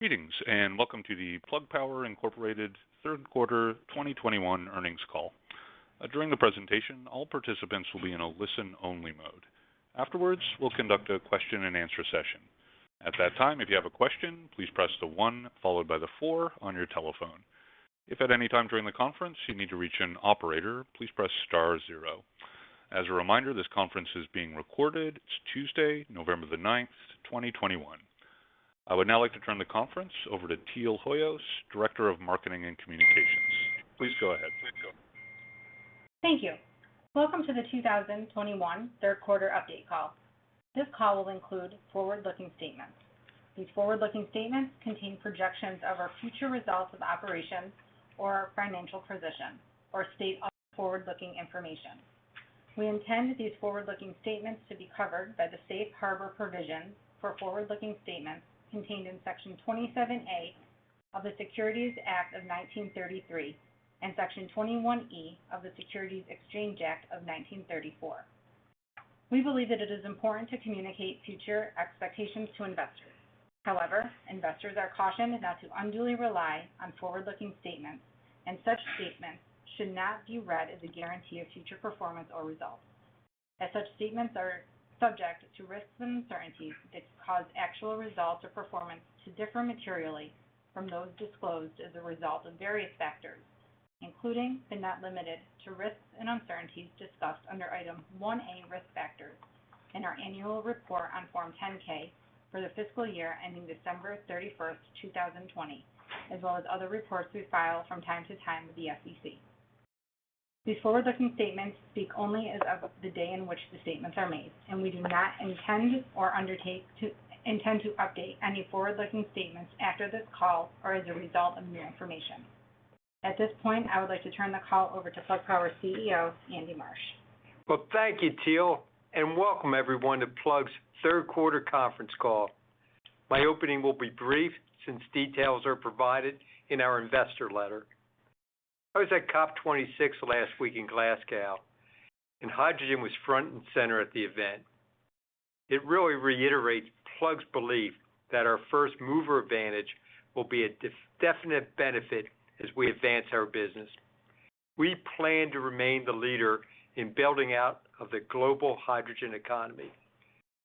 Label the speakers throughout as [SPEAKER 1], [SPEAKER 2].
[SPEAKER 1] Greetings, and welcome to the Plug Power Inc. Third Quarter 2021 Earnings Call. During the presentation, all participants will be in a listen-only mode. Afterwards, we'll conduct a question-and-answer session. At that time, if you have a question, please press the one followed by the four on your telephone. If at any time during the conference you need to reach an operator, please press star zero. As a reminder, this conference is being recorded. It's Tuesday, 9 November 2021. I would now like to turn the conference over to Teal Hoyos, Director of Marketing and Communications. Please go ahead.
[SPEAKER 2] Thank you. Welcome to the 2021 Third Quarter Update Call. This call will include forward-looking statements. These forward-looking statements contain projections of our future results of operations or our financial position or state other forward-looking information. We intend these forward-looking statements to be covered by the safe harbor provisions for forward-looking statements contained in section 27A of the Securities Act of 1933 and section 21E of the Securities Exchange Act of 1934. We believe that it is important to communicate future expectations to investors. However, investors are cautioned not to unduly rely on forward-looking statements, and such statements should not be read as a guarantee of future performance or results, as such statements are subject to risks and uncertainties that cause actual results or performance to differ materially from those disclosed as a result of various factors, including but not limited to risks and uncertainties discussed under Item 1A, Risk Factors in our annual report on Form 10-K for the fiscal year ending 31 December 2020, as well as other reports we file from time to time with the SEC. These forward-looking statements speak only as of the day on which the statements are made, and we do not intend or undertake to update any forward-looking statements after this call or as a result of new information. At this point, I would like to turn the call over to Plug Power CEO, Andy Marsh.
[SPEAKER 3] Well, thank you, Teal, and welcome everyone to Plug's Third Quarter Conference Call. My opening will be brief since details are provided in our investor letter. I was at COP26 last week in Glasgow, and hydrogen was front and center at the event. It really reiterates Plug's belief that our first-mover advantage will be a definite benefit as we advance our business. We plan to remain the leader in building out the global hydrogen economy.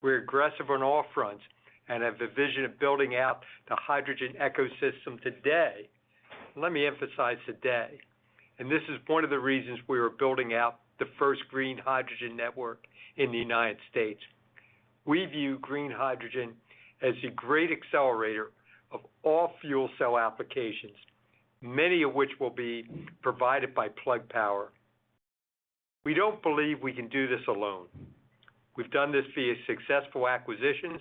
[SPEAKER 3] We're aggressive on all fronts and have the vision of building out the hydrogen ecosystem today. Let me emphasize today, and this is one of the reasons we are building out the first green hydrogen network in the United States. We view green hydrogen as a great accelerator of all fuel cell applications, many of which will be provided by Plug Power. We don't believe we can do this alone. We've done this via successful acquisitions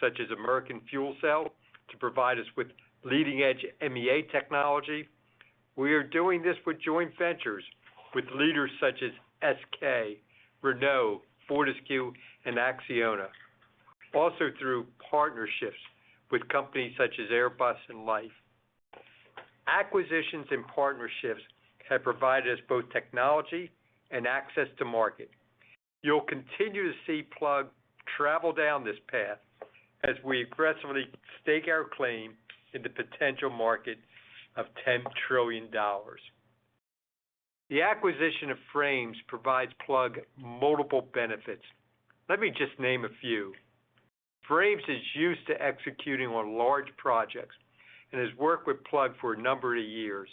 [SPEAKER 3] such as American Fuel Cell to provide us with leading-edge MEA technology. We are doing this with joint ventures with leaders such as SK, Renault, Fortescue and ACCIONA. Also through partnerships with companies such as Airbus and Lhyfe. Acquisitions and partnerships have provided us both technology and access to market. You'll continue to see Plug travel down this path as we aggressively stake our claim in the potential market of $10 trillion. The acquisition of Frames provides Plug multiple benefits. Let me just name a few. Frames is used to executing on large projects and has worked with Plug for a number of years.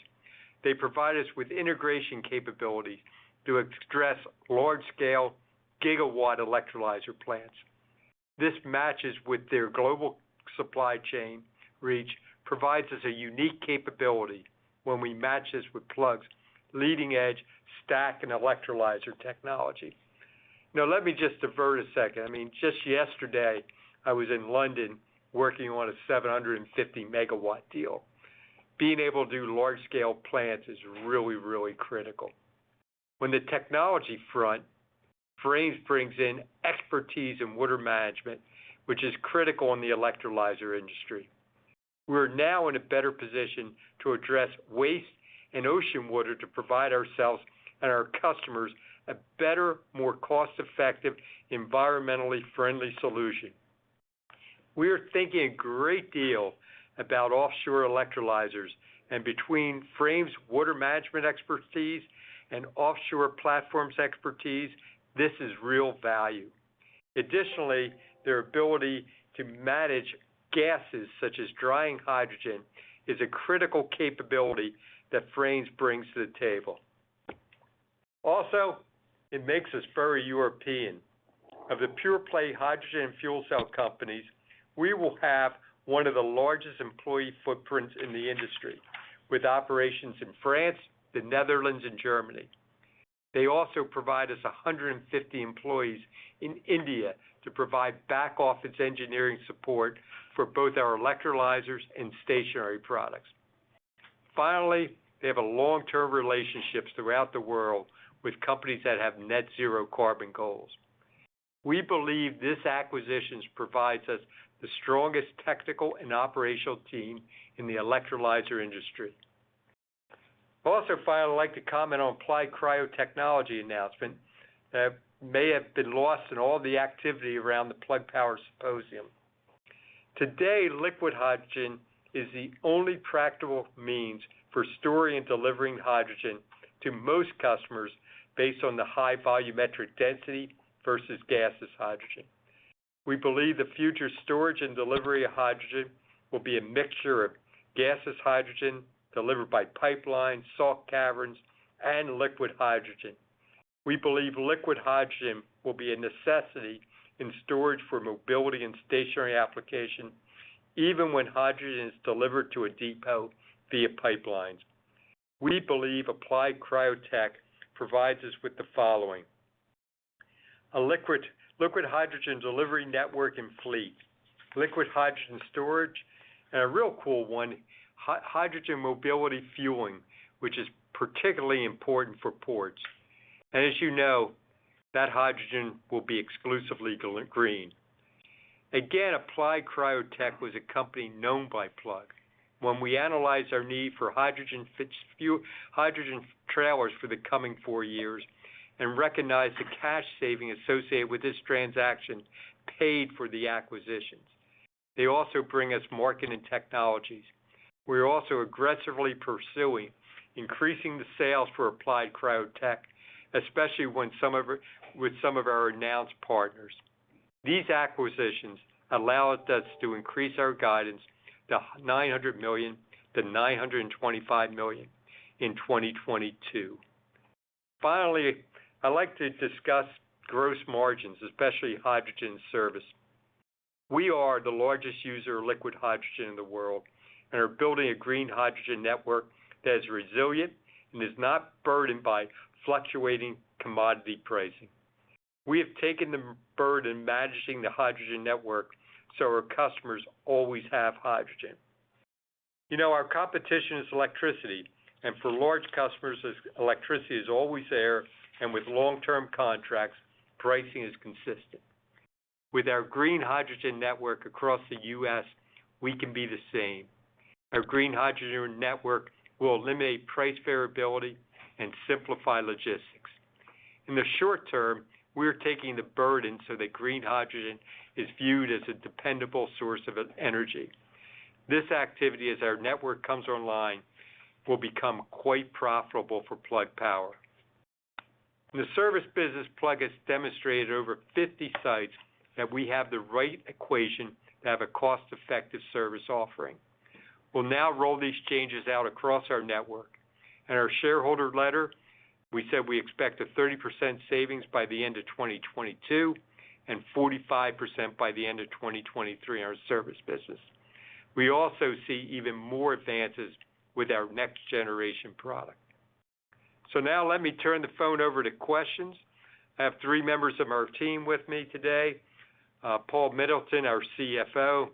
[SPEAKER 3] They provide us with integration capabilities to address large-scale gigawatt electrolyzer plants. This matches with their global supply chain reach, provides us a unique capability when we match this with Plug's leading-edge stack and electrolyzer technology. Now, let me just divert a second. I mean, just yesterday I was in London working on a 750 MW deal. Being able to do large-scale plants is really, really critical. On the technology front, Frames brings in expertise in water management, which is critical in the electrolyzer industry. We're now in a better position to address waste and ocean water to provide ourselves and our customers a better, more cost-effective, environmentally friendly solution. We are thinking a great deal about offshore electrolyzers and between Frames' water management expertise and offshore platforms expertise, this is real value. Additionally, their ability to manage gases such as drying hydrogen is a critical capability that Frames brings to the table. Also, it makes us very European. Of the pure play hydrogen fuel cell companies, we will have one of the largest employee footprints in the industry with operations in France, the Netherlands and Germany. They also provide us 150 employees in India to provide back office engineering support for both our electrolyzers and stationary products. Finally, they have a long-term relationships throughout the world with companies that have net zero carbon goals. We believe this acquisitions provides us the strongest technical and operational team in the electrolyzer industry. Also, finally, I'd like to comment on Applied Cryo Technologies announcement that may have been lost in all the activity around the Plug Symposium. Today, liquid hydrogen is the only practical means for storing and delivering hydrogen to most customers based on the high volumetric density versus gaseous hydrogen. We believe the future storage and delivery of hydrogen will be a mixture of gaseous hydrogen delivered by pipeline, salt caverns, and liquid hydrogen. We believe liquid hydrogen will be a necessity in storage for mobility and stationary application even when hydrogen is delivered to a depot via pipelines. We believe Applied Cryo Technologies provides us with the following, a liquid hydrogen delivery network and fleet, liquid hydrogen storage, and a real cool one, hydrogen mobility fueling, which is particularly important for ports. As you know, that hydrogen will be exclusively green. Again, Applied Cryo Technologies was a company known by Plug. When we analyzed our need for the next few hydrogen trailers for the coming four years and recognized the cash savings associated with this transaction, paid for the acquisitions. They also bring us markets and technologies. We are also aggressively pursuing increasing the sales for Applied Cryo Technologies, with some of our announced partners. These acquisitions allowed us to increase our guidance to $900 million-$925 million in 2022. Finally, I'd like to discuss gross margins, especially hydrogen service. We are the largest user of liquid hydrogen in the world and are building a green hydrogen network that is resilient and is not burdened by fluctuating commodity pricing. We have taken the burden managing the hydrogen network, so our customers always have hydrogen. You know, our competition is electricity, and for large customers as electricity is always there, and with long-term contracts, pricing is consistent. With our green hydrogen network across the U.S., we can be the same. Our green hydrogen network will eliminate price variability and simplify logistics. In the short term, we're taking the burden so that green hydrogen is viewed as a dependable source of energy. This activity, as our network comes online, will become quite profitable for Plug Power. The service business Plug has demonstrated over 50 sites that we have the right equation to have a cost-effective service offering. We'll now roll these changes out across our network. In our shareholder letter, we said we expect a 30% savings by the end of 2022 and 45% by the end of 2023 in our service business. We also see even more advances with our next generation product. Now let me turn the phone over to questions. I have three members of our team with me today, Paul Middleton, our CFO,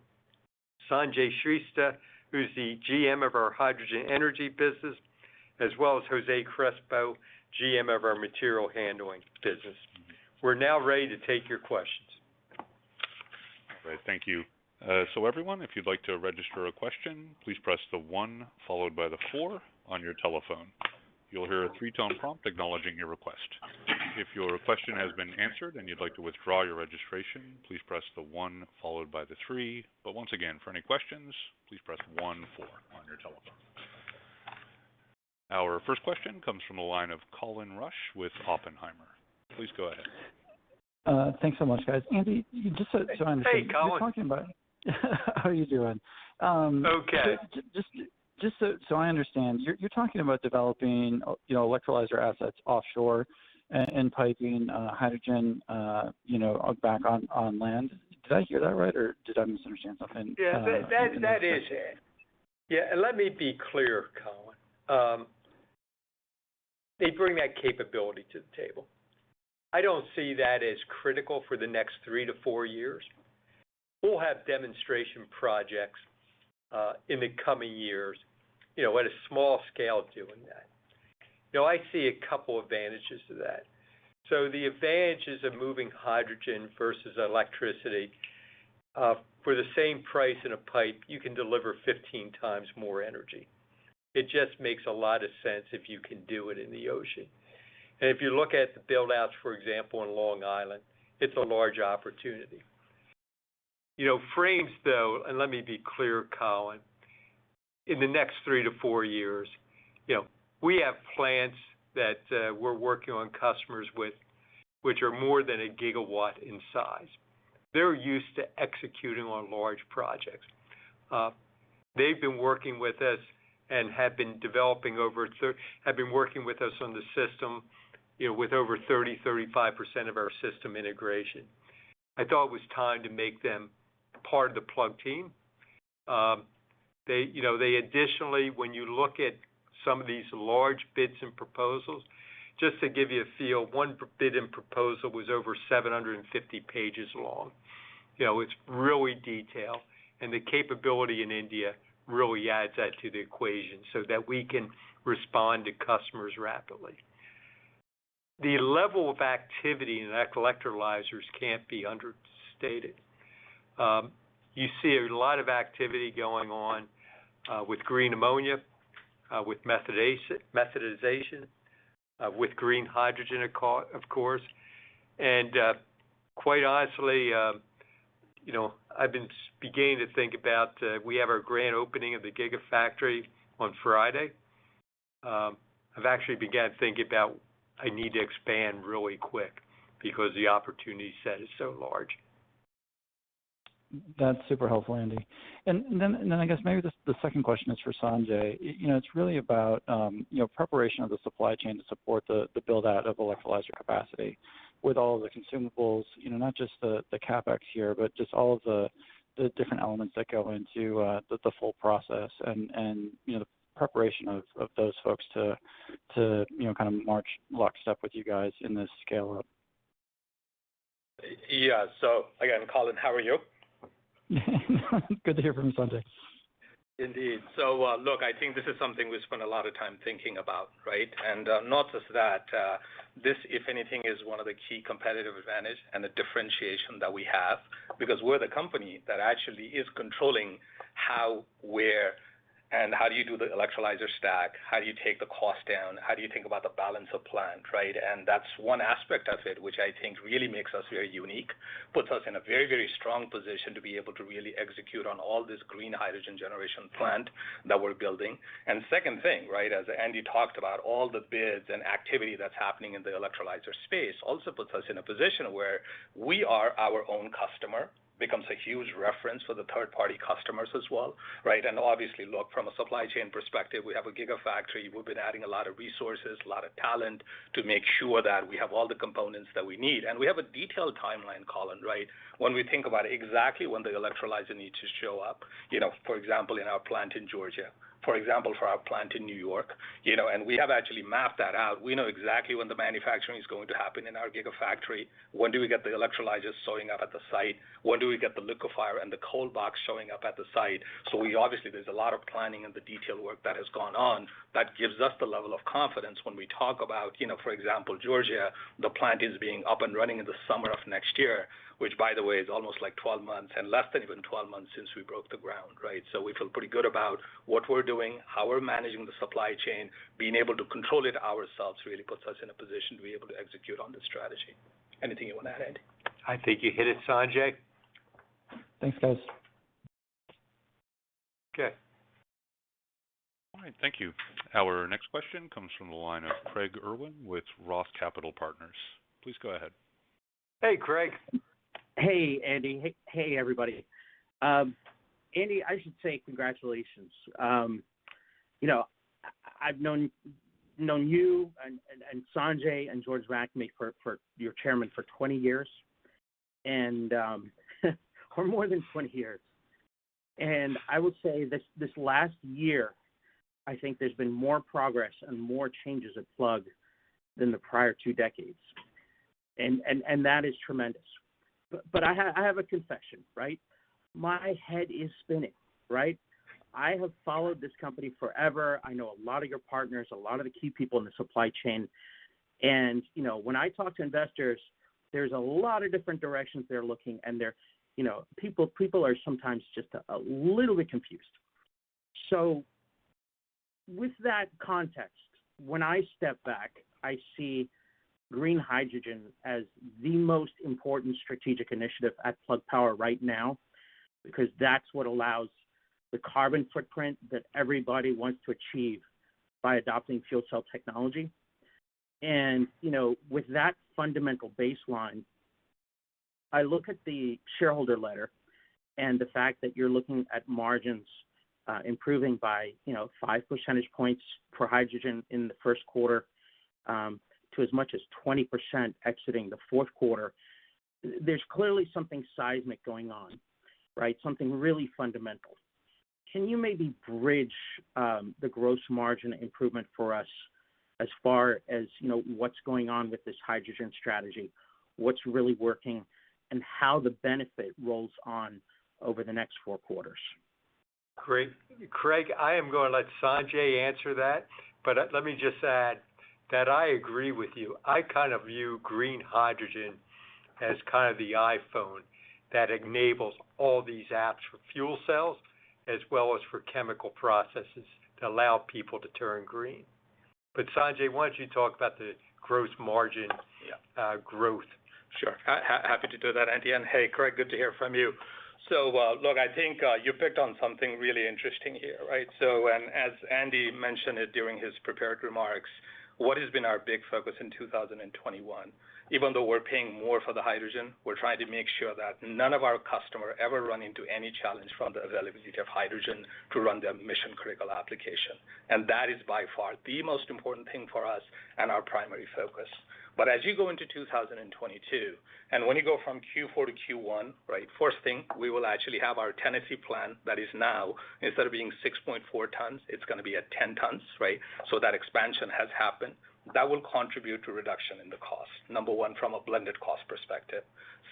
[SPEAKER 3] Sanjay Shrestha, who's the GM of our hydrogen energy business, as well as Jose Crespo, GM of our material handling business. We're now ready to take your questions.
[SPEAKER 1] All right. Thank you. Everyone, if you'd like to register a question, please press the one followed by the four on your telephone. You'll hear a three-tone prompt acknowledging your request. If your question has been answered and you'd like to withdraw your registration, please press the one followed by the three. Once again, for any questions, please press one, four on your telephone. Our first question comes from the line of Colin Rusch with Oppenheimer. Please go ahead.
[SPEAKER 4] Thanks so much, guys. Andy, just to join the-
[SPEAKER 3] Hey, Colin.
[SPEAKER 4] You're talking about. How are you doing?
[SPEAKER 3] Okay.
[SPEAKER 4] Just so I understand, you're talking about developing, you know, electrolyzer assets offshore and piping hydrogen, you know, back on land. Did I hear that right, or did I misunderstand something?
[SPEAKER 3] Yeah, that is it. Yeah, let me be clear, Colin. They bring that capability to the table. I don't see that as critical for the next three-four years. We'll have demonstration projects in the coming years, you know, at a small scale doing that. You know, I see a couple advantages to that. The advantages of moving hydrogen versus electricity for the same price in a pipe, you can deliver 15x more energy. It just makes a lot of sense if you can do it in the ocean. If you look at the build-outs, for example, in Long Island, it's a large opportunity. You know, Frames though, let me be clear, Colin, in the next three-four years, you know, we have plants that we're working with customers on, which are more than a gigawatt in size. They're used to executing on large projects. They've been working with us and have been developing have been working with us on the system, you know, with over 30%-35% of our system integration. I thought it was time to make them part of the Plug team. They, you know, they additionally, when you look at some of these large bids and proposals, just to give you a feel, one bid and proposal was over 750 pages long. You know, it's really detailed, and the capability in India really adds that to the equation so that we can respond to customers rapidly. The level of activity in electrolyzers can't be understated. You see a lot of activity going on, with green ammonia, with methanization, with green hydrogen of course. Quite honestly, you know, I've been beginning to think about we have our grand opening of the Gigafactory on Friday. I've actually began thinking about I need to expand really quick because the opportunity set is so large.
[SPEAKER 4] That's super helpful, Andy. I guess maybe the second question is for Sanjay. You know, it's really about you know, preparation of the supply chain to support the build-out of electrolyzer capacity with all the consumables, you know, not just the CapEx here, but just all of the different elements that go into the full process and you know, the preparation of those folks to you know, kind of march lockstep with you guys in this scale-up.
[SPEAKER 5] Yeah. Again, Colin, how are you?
[SPEAKER 4] Good to hear from you, Sanjay.
[SPEAKER 5] Indeed. Look, I think this is something we spend a lot of time thinking about, right? Not just that, this, if anything, is one of the key competitive advantage and the differentiation that we have because we're the company that actually is controlling how, where, and how do you do the electrolyzer stack, how do you take the cost down, how do you think about the balance of plant, right? That's one aspect of it, which I think really makes us very unique, puts us in a very, very strong position to be able to really execute on all this green hydrogen generation plant that we're building. Second thing, right, as Andy talked about, all the bids and activity that's happening in the electrolyzer space also puts us in a position where we are our own customer, becomes a huge reference for the third-party customers as well, right? Obviously, look, from a supply chain perspective, we have a Gigafactory. We've been adding a lot of resources, a lot of talent to make sure that we have all the components that we need. We have a detailed timeline, Colin, right? When we think about exactly when the electrolyzer needs to show up, you know, for example, in our plant in Georgia, for example, for our plant in New York, you know. We have actually mapped that out. We know exactly when the manufacturing is going to happen in our Gigafactory, when do we get the electrolyzers showing up at the site, when do we get the liquefier and the cold box showing up at the site. We obviously, there's a lot of planning and the detailed work that has gone on that gives us the level of confidence when we talk about, you know, for example, Georgia, the plant is being up and running in the summer of next year, which by the way, is almost like 12 months and less than even 12 months since we broke the ground, right? We feel pretty good about what we're doing, how we're managing the supply chain. Being able to control it ourselves really puts us in a position to be able to execute on this strategy. Anything you wanna add, Andy?
[SPEAKER 3] I think you hit it, Sanjay.
[SPEAKER 4] Thanks, guys.
[SPEAKER 3] Okay.
[SPEAKER 1] All right. Thank you. Our next question comes from the line of Craig Irwin with ROTH Capital Partners. Please go ahead.
[SPEAKER 3] Hey, Craig.
[SPEAKER 6] Hey, Andy. Hey, everybody. Andy, I should say congratulations. You know, I've known you and Sanjay and George McNamee, your chairman, for 20 years, or more than 20 years. I would say this last year, I think there's been more progress and more changes at Plug than the prior two decades. That is tremendous. I have a confession, right? My head is spinning, right? I have followed this company forever. I know a lot of your partners, a lot of the key people in the supply chain. You know, when I talk to investors, there's a lot of different directions they're looking and they're. People are sometimes just a little bit confused. With that context, when I step back, I see green hydrogen as the most important strategic initiative at Plug Power right now because that's what allows the carbon footprint that everybody wants to achieve by adopting fuel cell technology. You know, with that fundamental baseline, I look at the shareholder letter and the fact that you're looking at margins improving by, you know, five percentage points for hydrogen in the first quarter to as much as 20% exiting the fourth quarter. There's clearly something seismic going on, right, something really fundamental. Can you maybe bridge the gross margin improvement for us as far as, you know, what's going on with this hydrogen strategy, what's really working, and how the benefit rolls on over the next four quarters?
[SPEAKER 3] Craig, I am gonna let Sanjay answer that, but let me just add that I agree with you. I kind of view green hydrogen as kind of the iPhone that enables all these apps for fuel cells as well as for chemical processes to allow people to turn green. Sanjay, why don't you talk about the gross margin-
[SPEAKER 5] Yeah.
[SPEAKER 3] growth?
[SPEAKER 5] Sure. Ha ha, happy to do that, Andy. Hey, Craig, good to hear from you. Look, I think you picked on something really interesting here, right? As Andy mentioned it during his prepared remarks, what has been our big focus in 2021, even though we're paying more for the hydrogen, we're trying to make sure that none of our customer ever run into any challenge from the availability of hydrogen to run their mission-critical application. That is by far the most important thing for us and our primary focus. As you go into 2022, and when you go from Q4 to Q1, right, first thing, we will actually have our Tennessee plant that is now, instead of being 6.4 tons, it's gonna be at 10 tons, right? That expansion has happened. That will contribute to reduction in the cost. Number one, from a blended cost perspective.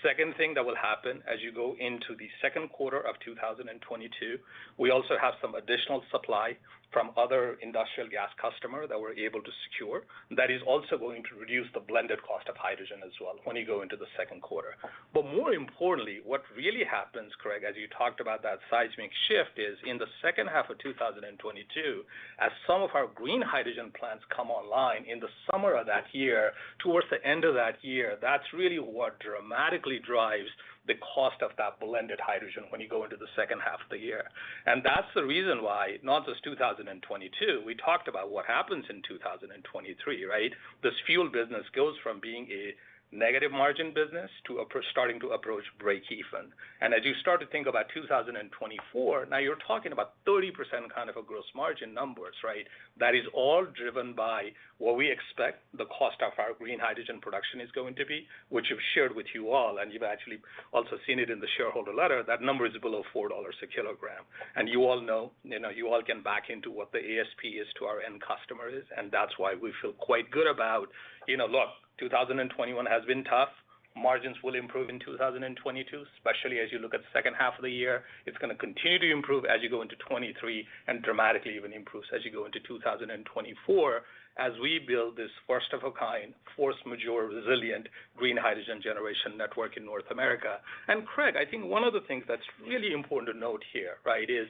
[SPEAKER 5] Second thing that will happen as you go into the second quarter of 2022, we also have some additional supply from other industrial gas customer that we're able to secure. That is also going to reduce the blended cost of hydrogen as well when you go into the second quarter. More importantly, what really happens, Craig, as you talked about that seismic shift, is in the second half of 2022, as some of our green hydrogen plants come online in the summer of that year, towards the end of that year, that's really what dramatically drives the cost of that blended hydrogen when you go into the second half of the year. That's the reason why not just 2022, we talked about what happens in 2023, right? This fuel business goes from being a negative margin business to starting to approach breakeven. As you start to think about 2024, now you're talking about 30% kind of a gross margin numbers, right? That is all driven by what we expect the cost of our green hydrogen production is going to be, which we've shared with you all, and you've actually also seen it in the shareholder letter. That number is below $4 a kilogram. You all know, you know, you all can back into what the ASP is to our end customers, and that's why we feel quite good about, you know, look, 2021 has been tough. Margins will improve in 2022, especially as you look at the second half of the year. It's gonna continue to improve as you go into 2023 and dramatically even improves as you go into 2024 as we build this first of a kind force majeure resilient green hydrogen generation network in North America. Craig, I think one of the things that's really important to note here, right? Is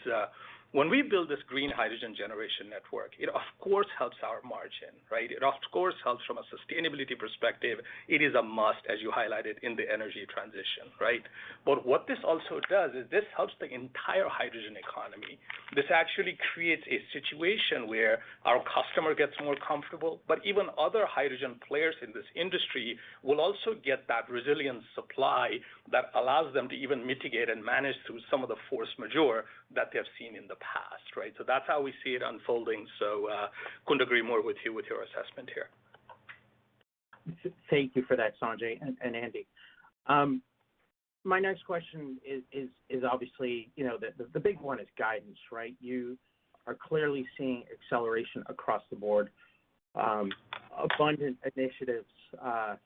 [SPEAKER 5] when we build this green hydrogen generation network, it of course helps our margin, right? It of course helps from a sustainability perspective. It is a must, as you highlighted in the energy transition, right? What this also does is this helps the entire hydrogen economy. This actually creates a situation where our customer gets more comfortable, but even other hydrogen players in this industry will also get that resilient supply that allows them to even mitigate and manage through some of the force majeure that they have seen in the past, right? That's how we see it unfolding. Couldn't agree more with you with your assessment here.
[SPEAKER 6] Thank you for that, Sanjay and Andy. My next question is obviously, you know, the big one is guidance, right? You are clearly seeing acceleration across the board. Abundant initiatives that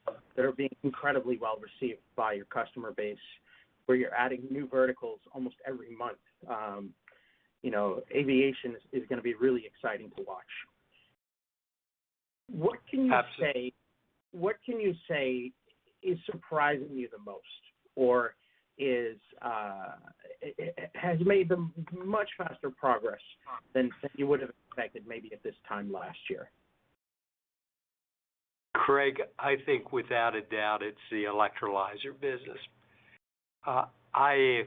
[SPEAKER 6] are being incredibly well received by your customer base, where you're adding new verticals almost every month. You know, aviation is gonna be really exciting to watch. What can you say-
[SPEAKER 3] Absolutely.
[SPEAKER 6] What can you say is surprising you the most or is has made the much faster progress than you would have expected maybe at this time last year?
[SPEAKER 3] Craig, I think without a doubt it's the electrolyzer business. I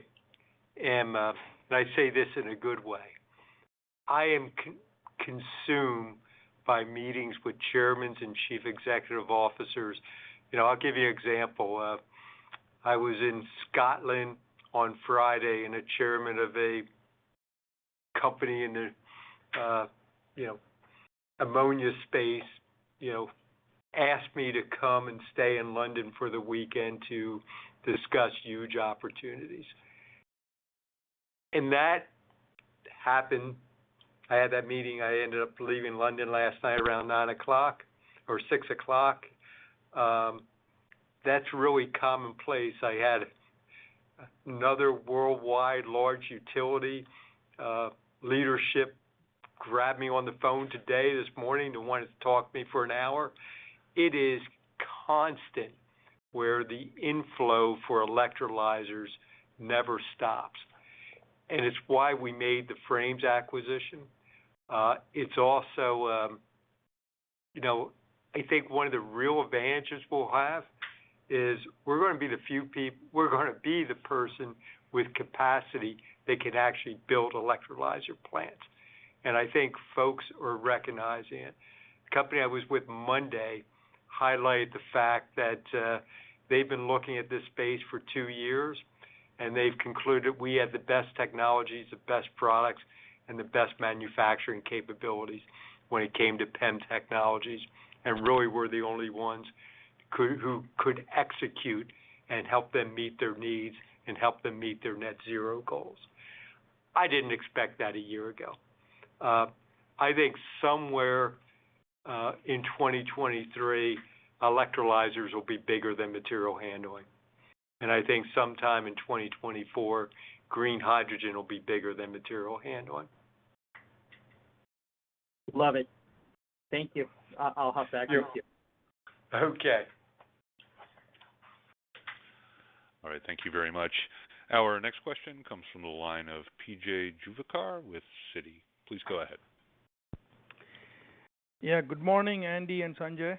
[SPEAKER 3] am, and I say this in a good way, I am consumed by meetings with chairmen and chief executive officers. You know, I'll give you example. I was in Scotland on Friday, and a chairman of a company in the, you know, ammonia space, you know, asked me to come and stay in London for the weekend to discuss huge opportunities. That happened. I had that meeting. I ended up leaving London last night around nine o'clock or six o'clock. That's really commonplace. I had another worldwide large utility, leadership grab me on the phone today, this morning, to want to talk to me for an hour. It is constant where the inflow for electrolyzers never stops. It's why we made the Frames acquisition. It's also... You know, I think one of the real advantages we'll have is we're gonna be the person with capacity that can actually build electrolyzer plants. I think folks are recognizing it. The company I was with Monday highlighted the fact that, they've been looking at this space for two years, and they've concluded we had the best technologies, the best products, and the best manufacturing capabilities when it came to PEM technologies. Really we're the only ones who could execute and help them meet their needs and help them meet their net zero goals. I didn't expect that a year ago. I think somewhere in 2023, electrolyzers will be bigger than material handling. I think sometime in 2024, green hydrogen will be bigger than material handling.
[SPEAKER 6] Love it. Thank you. I'll hop back to you.
[SPEAKER 3] Okay.
[SPEAKER 1] All right. Thank you very much. Our next question comes from the line of P.J. Juvekar with Citi. Please go ahead.
[SPEAKER 7] Yeah. Good morning, Andy and Sanjay.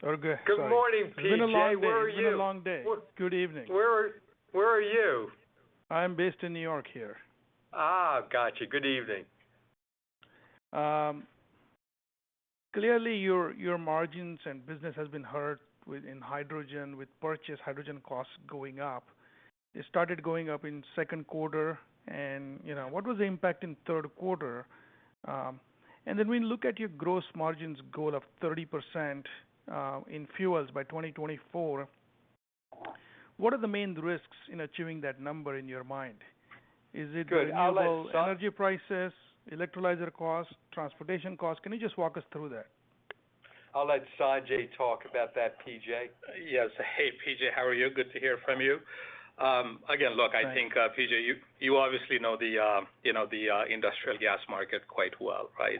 [SPEAKER 7] Sorry.
[SPEAKER 3] Good morning, P.J. Where are you?
[SPEAKER 7] It's been a long day. Good evening.
[SPEAKER 3] Where are you?
[SPEAKER 7] I'm based in New York here.
[SPEAKER 3] Gotcha. Good evening.
[SPEAKER 7] Clearly, your margins and business has been hurt within hydrogen with purchased hydrogen costs going up. It started going up in second quarter and, you know, what was the impact in third quarter? We look at your gross margins goal of 30% in fuels by 2024. What are the main risks in achieving that number in your mind?
[SPEAKER 3] Good. I'll let San-
[SPEAKER 7] Is it renewable energy prices, electrolyzer costs, transportation costs? Can you just walk us through that?
[SPEAKER 3] I'll let Sanjay talk about that, P. J.
[SPEAKER 5] Yes. Hey, P.J., how are you? Good to hear from you. Again, look, I think, P.J., you obviously know the industrial gas market quite well, right?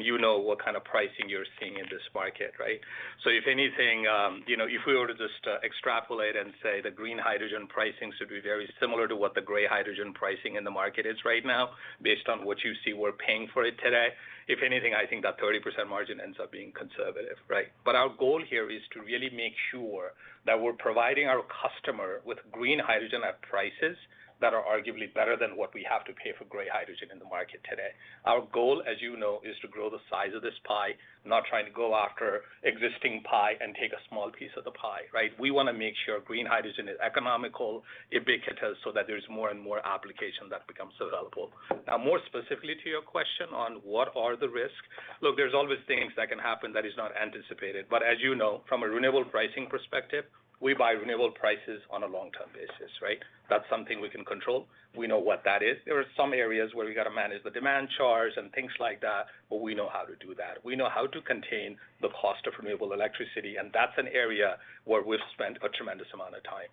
[SPEAKER 5] You know what kind of pricing you're seeing in this market, right? If anything, you know, if we were to just extrapolate and say the green hydrogen pricing should be very similar to what the gray hydrogen pricing in the market is right now, based on what you see we're paying for it today, if anything, I think that 30% margin ends up being conservative, right? Our goal here is to really make sure that we're providing our customer with green hydrogen at prices that are arguably better than what we have to pay for gray hydrogen in the market today. Our goal, as you know, is to grow the size of this pie, not trying to go after existing pie and take a small piece of the pie, right? We wanna make sure green hydrogen is economical, ubiquitous, so that there's more and more applications that becomes available. Now, more specifically to your question on what are the risks, look, there's always things that can happen that is not anticipated. As you know, from a renewable pricing perspective, we buy renewable power on a long-term basis, right? That's something we can control. We know what that is. There are some areas where we gotta manage the demand charge and things like that, but we know how to do that. We know how to contain the cost of renewable electricity, and that's an area where we've spent a tremendous amount of time.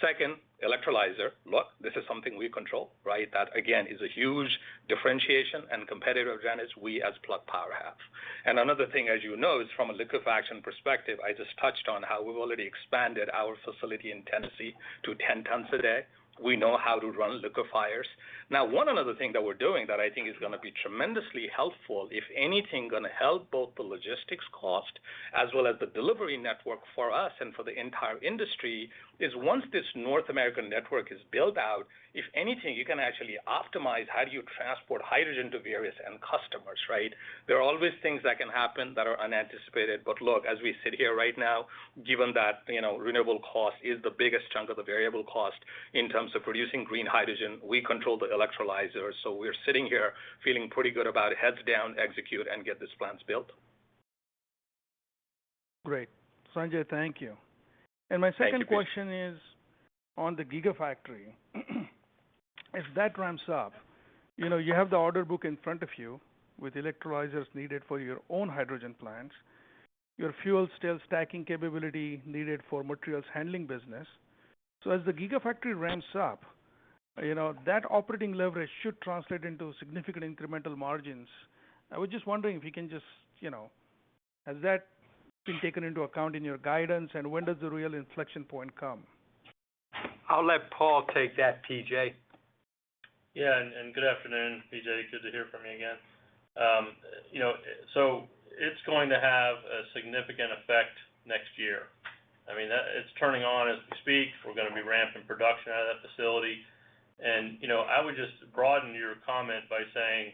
[SPEAKER 5] Second, electrolyzer. Look, this is something we control, right? That, again, is a huge differentiation and competitive advantage we as Plug Power have. Another thing, as you know, is from a liquefaction perspective, I just touched on how we've already expanded our facility in Tennessee to 10 tons a day. We know how to run liquefiers. Now, one another thing that we're doing that I think is gonna be tremendously helpful, if anything gonna help both the logistics cost as well as the delivery network for us and for the entire industry, is once this North American network is built out, if anything, you can actually optimize how do you transport hydrogen to various end customers, right? There are always things that can happen that are unanticipated. Look, as we sit here right now, given that, you know, renewable cost is the biggest chunk of the variable cost in terms of producing green hydrogen, we control the electrolyzer. We're sitting here feeling pretty good about heads down, execute, and get these plants built.
[SPEAKER 7] Great. Sanjay, thank you.
[SPEAKER 5] Thank you, P.J.
[SPEAKER 7] My second question is on the Gigafactory. If that ramps up, you know, you have the order book in front of you with electrolyzers needed for your own hydrogen plants, your fuel cell stacking capability needed for materials handling business. As the Gigafactory ramps up, you know, that operating leverage should translate into significant incremental margins. I was just wondering if you can just, you know, has that been taken into account in your guidance, and when does the real inflection point come?
[SPEAKER 3] I'll let Paul take that, P.J.
[SPEAKER 8] Yeah. Good afternoon, P.J. Good to hear from you again. You know, it's going to have a significant effect next year. I mean, it's turning on as we speak. We're gonna be ramping production out of that facility. You know, I would just broaden your comment by saying,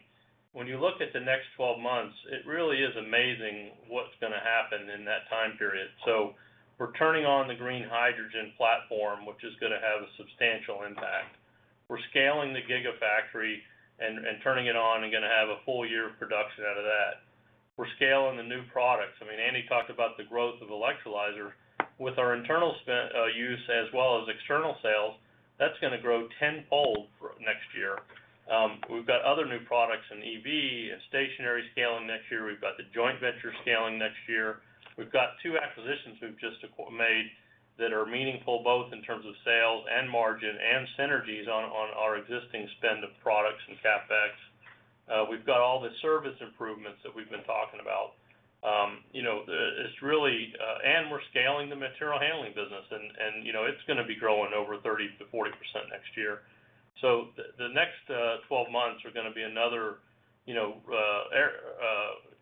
[SPEAKER 8] when you look at the next 12 months, it really is amazing what's gonna happen in that time period. We're turning on the green hydrogen platform, which is gonna have a substantial impact. We're scaling the Gigafactory and turning it on and gonna have a full year of production out of that. We're scaling the new products. I mean, Andy talked about the growth of electrolyzer. With our internal use as well as external sales, that's gonna grow tenfold for next year. We've got other new products in EV and stationary scaling next year. We've got the joint venture scaling next year. We've got two acquisitions we've just made that are meaningful both in terms of sales and margin and synergies on our existing spend of products and CapEx. We've got all the service improvements that we've been talking about. You know, it's really. We're scaling the material handling business. You know, it's gonna be growing over 30%-40% next year. The next 12 months are gonna be another, you know.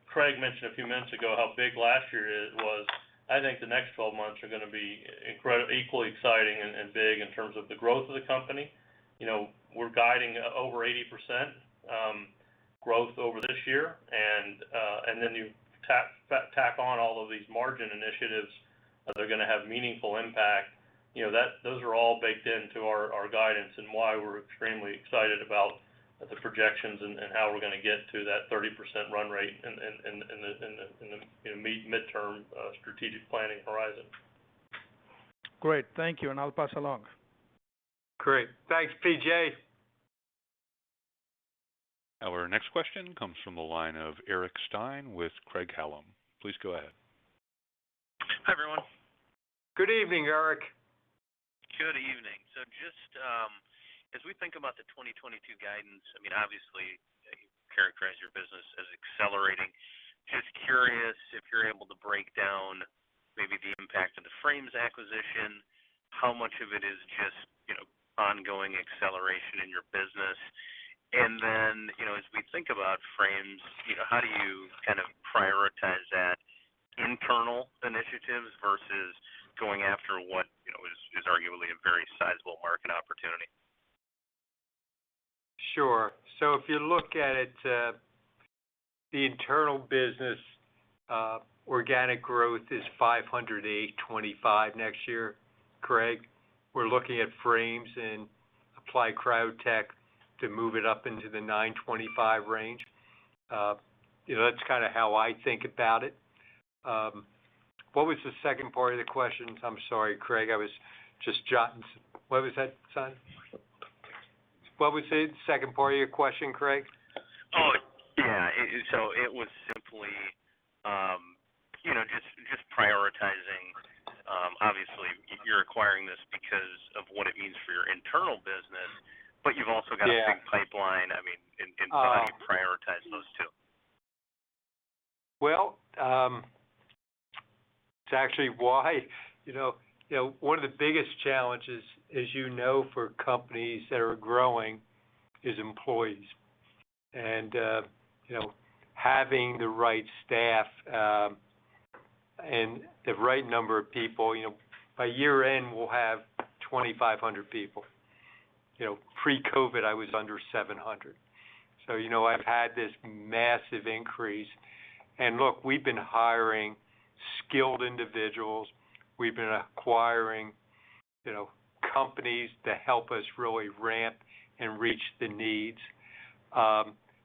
[SPEAKER 8] Craig mentioned a few minutes ago how big last year was. I think the next 12 months are gonna be equally exciting and big in terms of the growth of the company. You know, we're guiding over 80% growth over this year. Then you tack on all of these margin initiatives that are gonna have meaningful impact. You know, those are all baked into our guidance and why we're extremely excited about the projections and how we're gonna get to that 30% run rate in the midterm strategic planning horizon.
[SPEAKER 7] Great. Thank you, and I'll pass along.
[SPEAKER 3] Great. Thanks, P.J.
[SPEAKER 1] Our next question comes from the line of Eric Stine with Craig-Hallum. Please go ahead.
[SPEAKER 9] Hi, everyone.
[SPEAKER 3] Good evening, Eric.
[SPEAKER 9] Good evening. Just as we think about the 2022 guidance, I mean, obviously, you characterize your business as accelerating. Just curious if you're able to break down maybe the impact of the Frames acquisition, how much of it is just, you know, ongoing acceleration in your business. You know, as we think about Frames, you know, how do you kind of prioritize that internal initiatives versus going after what, you know, is arguably a very sizable market opportunity?
[SPEAKER 3] Sure. If you look at it, the internal business, organic growth is $825 next year, Craig. We're looking at Frames and Applied Cryo Technologies to move it up into the $925 range. You know, that's kinda how I think about it. What was the second part of the question? I'm sorry, Craig, I was just jotting some. What was that, son? What was the second part of your question, Craig?
[SPEAKER 9] Oh, yeah. It was simply, you know, just prioritizing. Obviously you're acquiring this because of what it means for your internal business.
[SPEAKER 3] Yeah.
[SPEAKER 9] You've also got a big pipeline. I mean, in how do you prioritize those two?
[SPEAKER 3] Well, it's actually why, you know, one of the biggest challenges, as you know, for companies that are growing is employees. You know, having the right staff and the right number of people. You know, by year-end, we'll have 2,500 people. You know, pre-COVID, I was under 700. You know, I've had this massive increase. Look, we've been hiring skilled individuals. We've been acquiring, you know, companies to help us really ramp and reach the needs.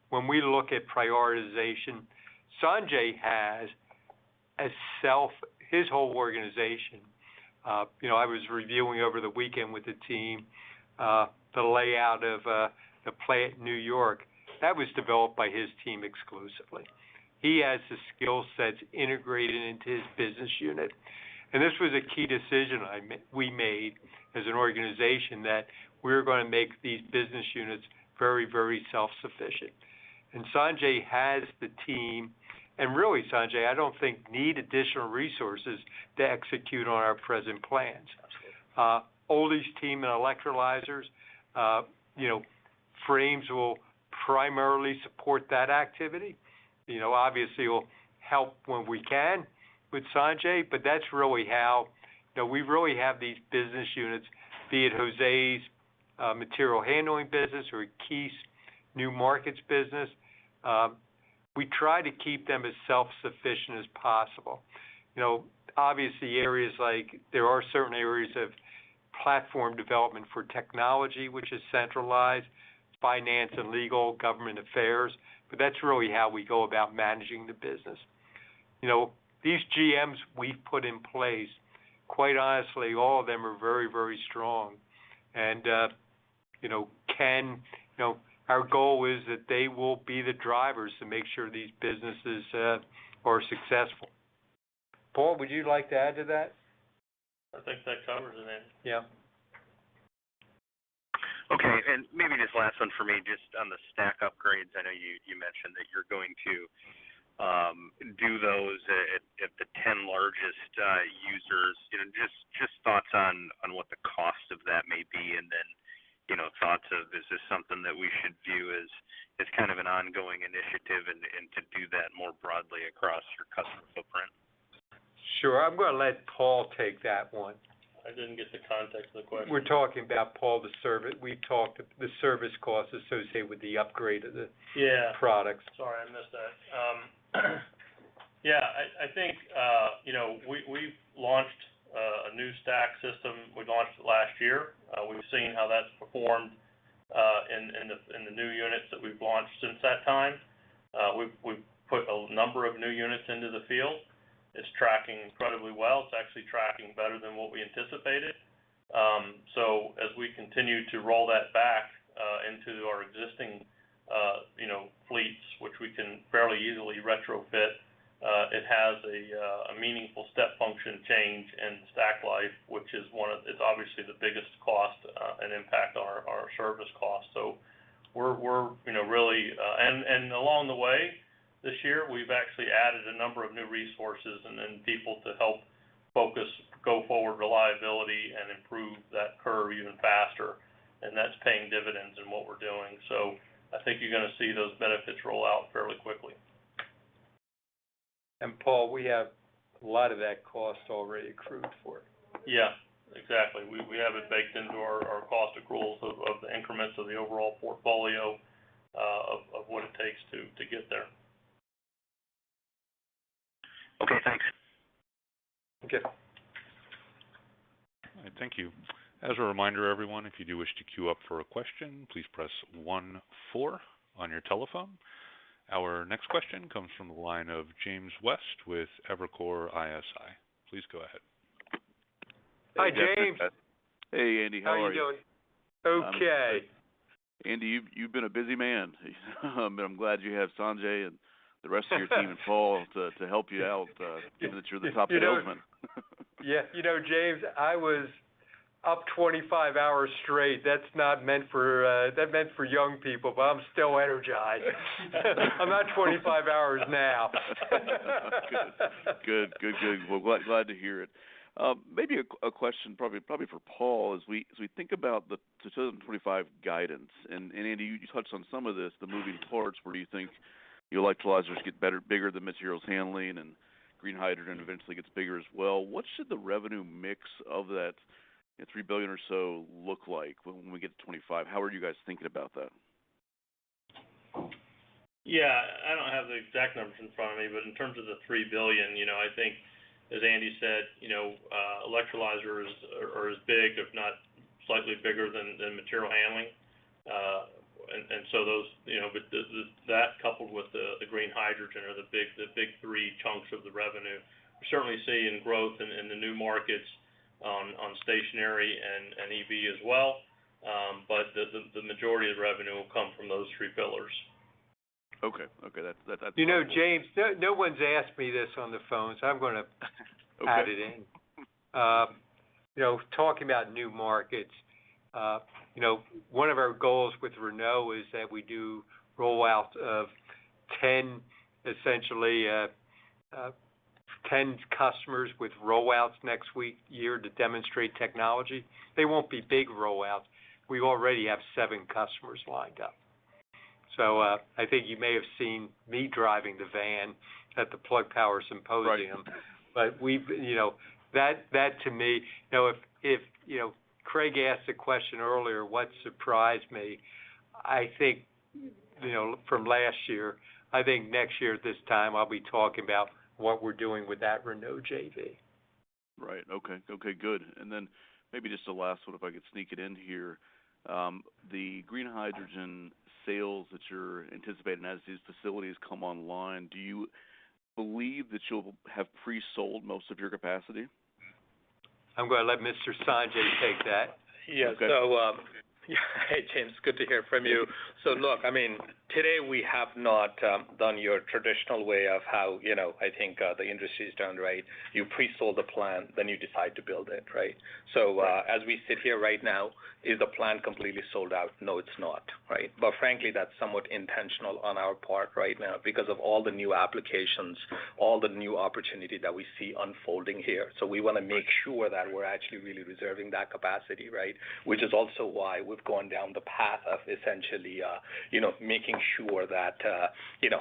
[SPEAKER 3] When we look at prioritization, Sanjay has his whole organization. You know, I was reviewing over the weekend with the team the layout of the plant New York. That was developed by his team exclusively. He has the skill sets integrated into his business unit. This was a key decision we made as an organization that we're gonna make these business units very, very self-sufficient. Sanjay has the team, and really, Sanjay, I don't think you need additional resources to execute on our present plans. Oli's team in electrolyzers, you know, frames will primarily support that activity. You know, obviously we'll help when we can with Sanjay, but that's really how, you know, we really have these business units, be it Jose's material handling business or Keith's new markets business, we try to keep them as self-sufficient as possible. You know, obviously there are certain areas of platform development for technology, which is centralized, finance and legal, government affairs, but that's really how we go about managing the business. You know, these GMs we've put in place, quite honestly, all of them are very, very strong and, you know, you know, our goal is that they will be the drivers to make sure these businesses are successful. Paul, would you like to add to that?
[SPEAKER 8] I think that covers it, Andy.
[SPEAKER 3] Yeah.
[SPEAKER 9] Okay. Maybe this is last one for me, just on the stack upgrades. I know you mentioned that you're going to do those at the 10 largest users. You know, just thoughts on what the cost of that may be and then, you know, thoughts on is this something that we should view as kind of an ongoing initiative and to do that more broadly across your customer footprint?
[SPEAKER 3] Sure. I'm gonna let Paul take that one.
[SPEAKER 8] I didn't get the context of the question.
[SPEAKER 3] We're talking about, Paul, the service costs associated with the upgrade of the-
[SPEAKER 8] Yeah
[SPEAKER 3] products.
[SPEAKER 8] Sorry, I missed that. Yeah, I think, you know, we’ve launched a new stack system. We launched it last year. We’ve seen how that’s performed in the new units that we’ve launched since that time. We’ve put a number of new units into the field. It’s tracking incredibly well. It’s actually tracking better than what we anticipated. As we continue to roll that back into our existing, you know, fleets, which we can fairly easily retrofit, it has a meaningful step function change and stack life, which is obviously the biggest cost and impact on our service costs. We’re, you know, really... Along the way this year, we've actually added a number of new resources and then people to help focus go forward reliability and improve that curve even faster, and that's paying dividends in what we're doing. I think you're gonna see those benefits roll out fairly quickly.
[SPEAKER 3] Paul, we have a lot of that cost already accrued for.
[SPEAKER 8] Yeah, exactly. We have it baked into our cost accruals of the increments of the overall portfolio, of what it takes to get there.
[SPEAKER 9] Okay, thanks.
[SPEAKER 3] Thank you.
[SPEAKER 1] All right. Thank you. As a reminder, everyone, if you do wish to queue up for a question, please press one-four on your telephone. Our next question comes from the line of James West with Evercore ISI. Please go ahead.
[SPEAKER 3] Hi, James.
[SPEAKER 10] Hey, Andy. How are you?
[SPEAKER 3] How are you doing? Okay.
[SPEAKER 10] Andy, you've been a busy man, but I'm glad you have Sanjay and the rest of your team and Paul to help you out, given that you're the top developer.
[SPEAKER 3] Yeah. You know, James, I was up 25 hours straight. That's not meant for young people, but I'm still energized. I'm at 25 hours now.
[SPEAKER 10] Good. We're glad to hear it. Maybe a question probably for Paul, as we think about the 2025 guidance, and Andy, you touched on some of this, the moving parts, where you think your electrolyzers get better, bigger than materials handling and green hydrogen eventually gets bigger as well. What should the revenue mix of that, you know, $3 billion or so look like when we get to 2025? How are you guys thinking about that?
[SPEAKER 8] Yeah. I don't have the exact numbers in front of me, but in terms of the $3 billion, you know, I think as Andy said, you know, electrolyzers are as big, if not slightly bigger than material handling. Those, you know, but that coupled with the green hydrogen are the big three chunks of the revenue. We certainly see growth in the new markets on stationary and EV as well. The majority of revenue will come from those three pillars.
[SPEAKER 10] Okay. That's helpful.
[SPEAKER 3] You know, James, no one's asked me this on the phone, so I'm gonna-
[SPEAKER 10] Okay
[SPEAKER 3] ...add it in. You know, talking about new markets, you know, one of our goals with Renault is that we do roll-out of 10 customers with roll-outs next year to demonstrate technology. They won't be big roll-outs. We already have seven customers lined up. I think you may have seen me driving the van at the Plug Symposium.
[SPEAKER 10] Right.
[SPEAKER 3] You know, that to me, you know, if Craig asked a question earlier, what surprised me, I think, you know, from last year, I think next year at this time, I'll be talking about what we're doing with that Renault JV.
[SPEAKER 10] Right. Okay. Okay, good. Maybe just the last one, if I could sneak it in here. The green hydrogen sales that you're anticipating as these facilities come online, do you believe that you'll have pre-sold most of your capacity?
[SPEAKER 3] I'm gonna let Mr. Sanjay take that.
[SPEAKER 10] Okay.
[SPEAKER 5] Yeah. Hey, James. Good to hear from you. Look, I mean, today we have not done your traditional way of how, you know, I think, the industry has done, right? You pre-sold the plant, then you decide to build it, right? As we sit here right now, is the plant completely sold out? No, it's not, right? Frankly, that's somewhat intentional on our part right now because of all the new applications, all the new opportunity that we see unfolding here. We wanna make sure that we're actually really reserving that capacity, right? Which is also why we've gone down the path of essentially, you know, making sure that you know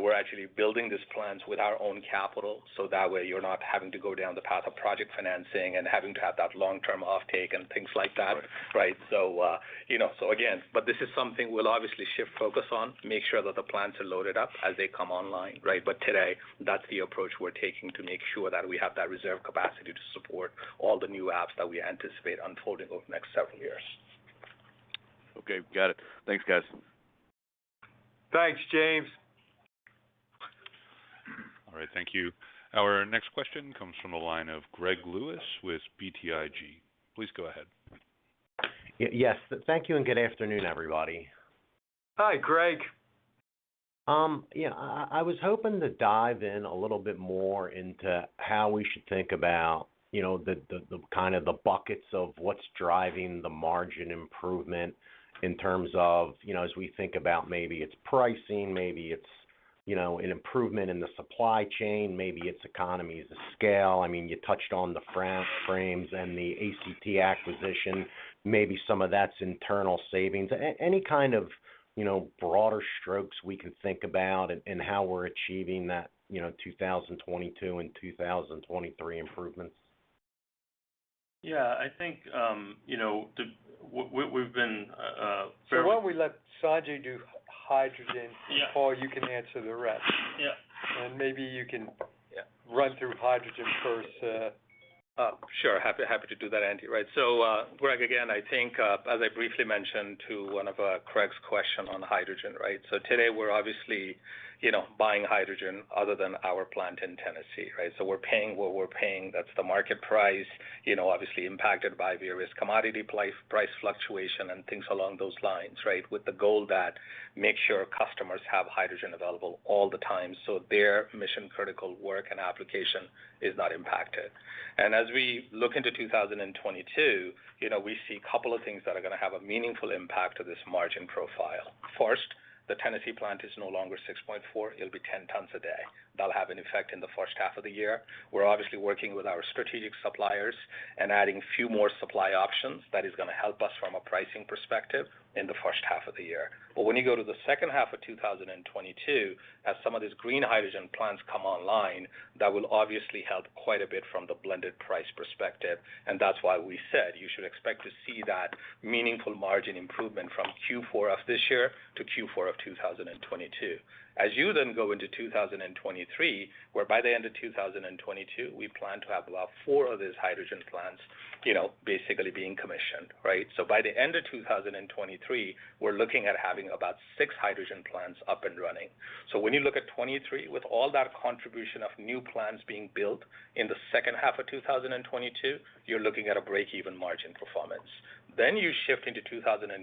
[SPEAKER 5] we're actually building these plants with our own capital, so that way you're not having to go down the path of project financing and having to have that long-term offtake and things like that.
[SPEAKER 10] Right.
[SPEAKER 5] Right? You know, so again, but this is something we'll obviously shift focus on, make sure that the plants are loaded up as they come online, right? Today, that's the approach we're taking to make sure that we have that reserve capacity to support all the new apps that we anticipate unfolding over the next several years.
[SPEAKER 10] Okay, got it. Thanks, guys.
[SPEAKER 3] Thanks, James.
[SPEAKER 1] All right, thank you. Our next question comes from the line of Greg Lewis with BTIG. Please go ahead.
[SPEAKER 11] Yes, thank you and good afternoon, everybody.
[SPEAKER 3] Hi, Greg.
[SPEAKER 11] Yeah, I was hoping to dive in a little bit more into how we should think about, you know, the kind of buckets of what's driving the margin improvement in terms of, you know, as we think about maybe it's pricing, maybe it's, you know, an improvement in the supply chain, maybe it's economies of scale. I mean, you touched on the Frames and the ACT acquisition, maybe some of that's internal savings. Any kind of, you know, broader strokes we can think about in how we're achieving that, you know, 2022 and 2023 improvements.
[SPEAKER 8] Yeah. I think, you know, we've been very.
[SPEAKER 3] Why don't we let Sanjay do hydrogen.
[SPEAKER 8] Yeah
[SPEAKER 3] Paul, you can answer the rest.
[SPEAKER 8] Yeah.
[SPEAKER 3] Maybe you can.
[SPEAKER 5] Yeah
[SPEAKER 3] run through hydrogen first.
[SPEAKER 5] Happy to do that, Andy. Right. So, Greg, again, I think, as I briefly mentioned to one of Craig's question on hydrogen, right? So today we're obviously, you know, buying hydrogen other than our plant in Tennessee, right? So we're paying what we're paying. That's the market price, you know, obviously impacted by various commodity price fluctuation and things along those lines, right? With the goal to make sure customers have hydrogen available all the time, so their mission-critical work and application is not impacted. As we look into 2022, you know, we see couple of things that are gonna have a meaningful impact to this margin profile. First, the Tennessee plant is no longer 6.4, it'll be 10 tons a day. That'll have an effect in the first half of the year. We're obviously working with our strategic suppliers and adding few more supply options that is gonna help us from a pricing perspective in the first half of the year. When you go to the second half of 2022, as some of these green hydrogen plants come online, that will obviously help quite a bit from the blended price perspective, and that's why we said you should expect to see that meaningful margin improvement from Q4 of this year to Q4 of 2022. As you then go into 2023, where by the end of 2022, we plan to have about four of these hydrogen plants, you know, basically being commissioned, right? By the end of 2023, we're looking at having about six hydrogen plants up and running. When you look at 2023, with all that contribution of new plants being built in the second half of 2022, you're looking at a break-even margin performance. You shift into 2024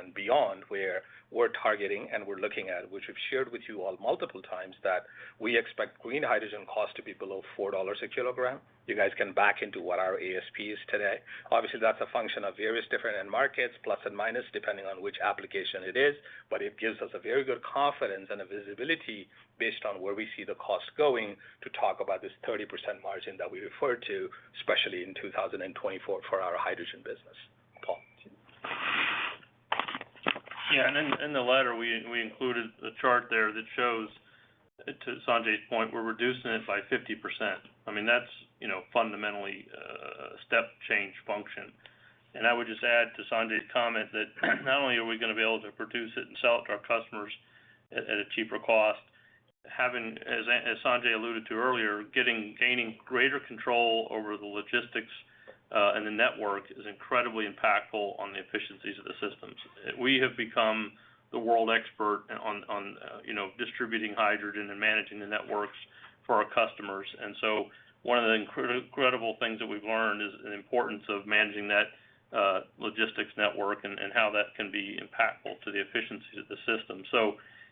[SPEAKER 5] and beyond, where we're targeting and we're looking at, which we've shared with you all multiple times, that we expect green hydrogen cost to be below $4 a kilogram. You guys can back into what our ASP is today. Obviously, that's a function of various different end markets, plus and minus, depending on which application it is, but it gives us a very good confidence and a visibility based on where we see the cost going to talk about this 30% margin that we refer to, especially in 2024 for our hydrogen business. Paul.
[SPEAKER 8] In the letter, we included a chart there that shows, to Sanjay's point, we're reducing it by 50%. I mean, that's you know, fundamentally a step change function. I would just add to Sanjay's comment that not only are we gonna be able to produce it and sell it to our customers at a cheaper cost. Having, as Sanjay alluded to earlier, gaining greater control over the logistics and the network is incredibly impactful on the efficiencies of the systems. We have become the world expert on you know, distributing hydrogen and managing the networks for our customers. One of the incredible things that we've learned is the importance of managing that logistics network and how that can be impactful to the efficiency of the system.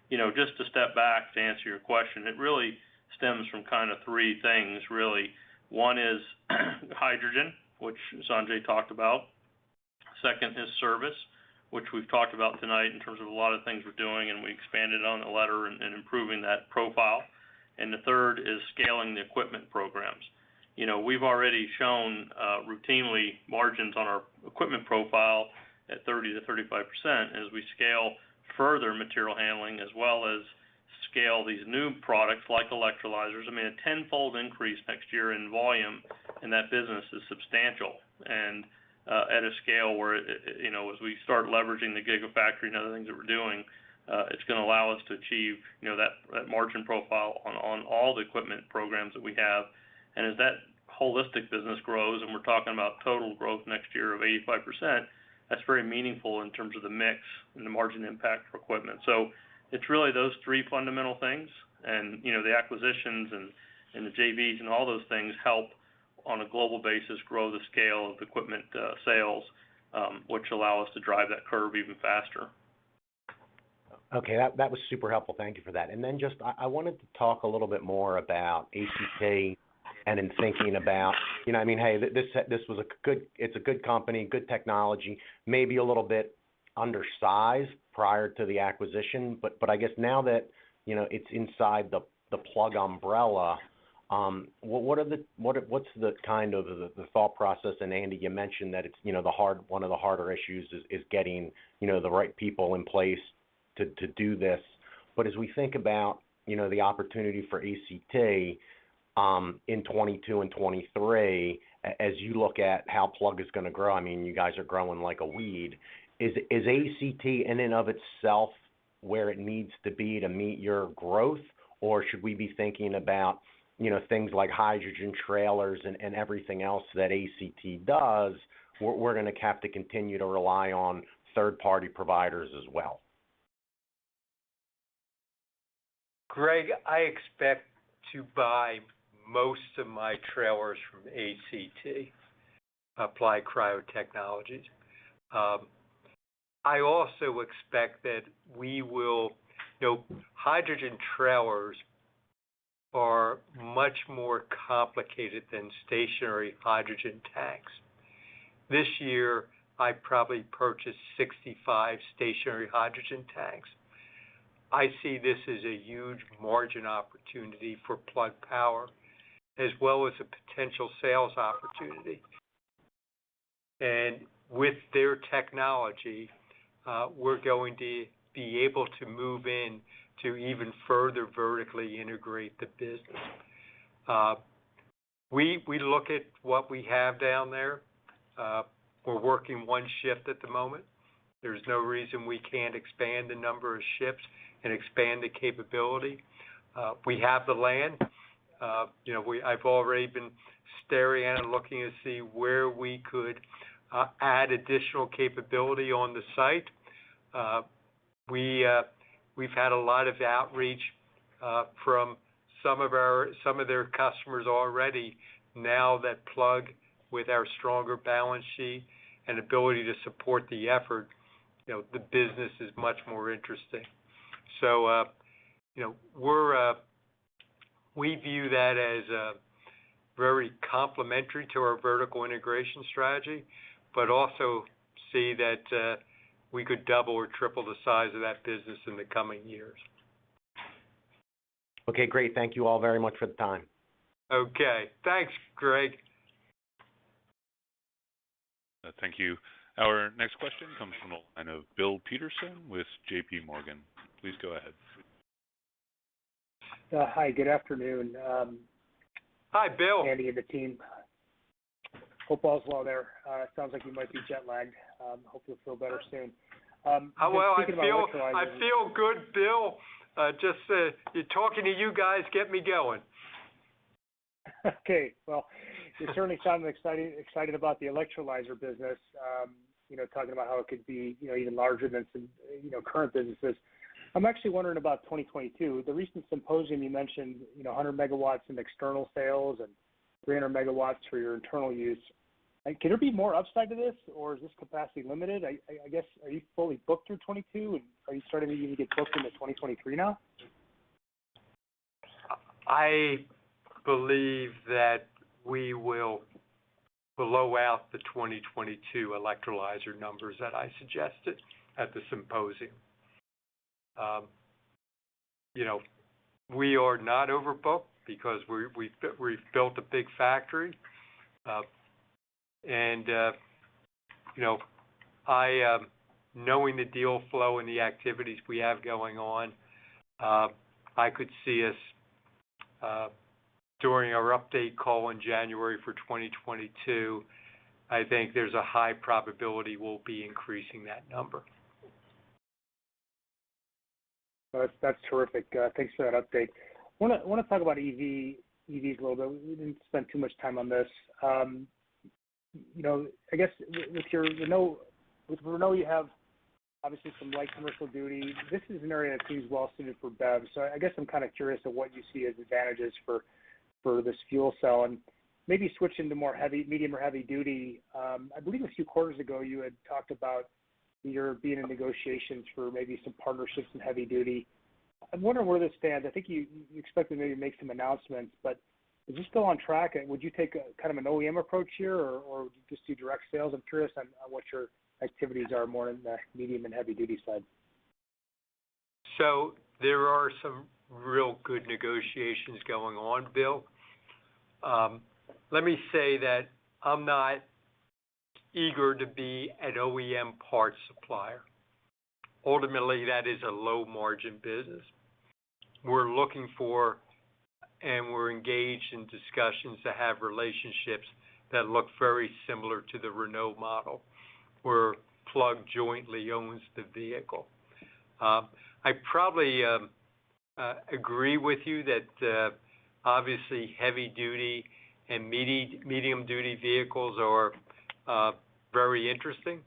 [SPEAKER 8] You know, just to step back to answer your question, it really stems from kind of three things really. One is hydrogen, which Sanjay talked about. Second is service, which we've talked about tonight in terms of a lot of things we're doing, and we expanded on the latter and improving that profile. The third is scaling the equipment programs. You know, we've already shown routinely margins on our equipment profile at 30%-35%. As we scale further material handling as well as scale these new products like electrolyzers, I mean, a tenfold increase next year in volume in that business is substantial. At a scale where it, you know, as we start leveraging the Gigafactory and other things that we're doing, it's gonna allow us to achieve, you know, that margin profile on all the equipment programs that we have. As that holistic business grows, and we're talking about total growth next year of 85%, that's very meaningful in terms of the mix and the margin impact for equipment. It's really those three fundamental things and, you know, the acquisitions and the JVs and all those things help on a global basis grow the scale of equipment sales, which allow us to drive that curve even faster.
[SPEAKER 11] Okay, that was super helpful. Thank you for that. Just I wanted to talk a little bit more about ACT and in thinking about, you know what I mean, hey, this was a good. It's a good company, good technology, maybe a little bit undersized prior to the acquisition. I guess now that, you know, it's inside the Plug umbrella, what's the kind of the thought process? Andy, you mentioned that it's, you know, one of the harder issues is getting, you know, the right people in place to do this. As we think about, you know, the opportunity for ACT in 2022 and 2023, as you look at how Plug is gonna grow, I mean, you guys are growing like a weed. Is ACT in and of itself where it needs to be to meet your growth? Or should we be thinking about, you know, things like hydrogen trailers and everything else that ACT does, we're gonna have to continue to rely on third-party providers as well?
[SPEAKER 3] Greg, I expect to buy most of my trailers from ACT, Applied Cryo Technologies. I also expect that we will. You know, hydrogen trailers are much more complicated than stationary hydrogen tanks. This year, I probably purchased 65 stationary hydrogen tanks. I see this as a huge margin opportunity for Plug Power as well as a potential sales opportunity. With their technology, we're going to be able to move in to even further vertically integrate the business. We look at what we have down there. We're working one shift at the moment. There's no reason we can't expand the number of shifts and expand the capability. We have the land. You know, I've already been staring and looking to see where we could add additional capability on the site. We've had a lot of outreach from some of their customers already now that Plug, with our stronger balance sheet and ability to support the effort, you know, the business is much more interesting. You know, we view that as very complementary to our vertical integration strategy, but also see that we could double or triple the size of that business in the coming years.
[SPEAKER 11] Okay, great. Thank you all very much for the time.
[SPEAKER 3] Okay. Thanks, Greg.
[SPEAKER 1] Thank you. Our next question comes from the line of Bill Peterson with JPMorgan. Please go ahead.
[SPEAKER 12] Hi, good afternoon.
[SPEAKER 3] Hi, Bill.
[SPEAKER 12] Andy and the team. Hope all is well there. Sounds like you might be jet-lagged. Hopefully you'll feel better soon.
[SPEAKER 3] Well, I feel good, Bill. Talking to you guys gets me going.
[SPEAKER 12] Okay. Well, you certainly sound excited about the electrolyzer business, you know, talking about how it could be, you know, even larger than some, you know, current businesses. I'm actually wondering about 2022. At the recent symposium you mentioned, you know, 100 MW in external sales and 300 MW for your internal use. Can there be more upside to this, or is this capacity limited? I guess, are you fully booked through 2022, and are you starting to even get booked into 2023 now?
[SPEAKER 3] I believe that we will blow out the 2022 electrolyzer numbers that I suggested at the symposium. We are not overbooked because we've built a big factory. Knowing the deal flow and the activities we have going on, I could see us. During our update call in January for 2022, I think there's a high probability we'll be increasing that number.
[SPEAKER 12] That's terrific. Thanks for that update. Wanna talk about EV, EVs a little bit. We didn't spend too much time on this. You know, I guess with your Renault you have obviously some light commercial duty. This is an area that seems well suited for BEVs. I guess I'm kind of curious of what you see as advantages for this fuel cell and maybe switching to more medium or heavy duty. I believe a few quarters ago you had talked about your being in negotiations for maybe some partnerships in heavy duty. I'm wondering where this stands. I think you expect to maybe make some announcements, but is this still on track? Would you take a kind of an OEM approach here or just do direct sales? I'm curious on what your activities are more in the medium and heavy duty side.
[SPEAKER 3] There are some real good negotiations going on, Bill. Let me say that I'm not eager to be an OEM parts supplier. Ultimately, that is a low margin business. We're looking for, and we're engaged in discussions to have relationships that look very similar to the Renault model, where Plug jointly owns the vehicle. I probably agree with you that obviously heavy duty and medium duty vehicles are very interesting.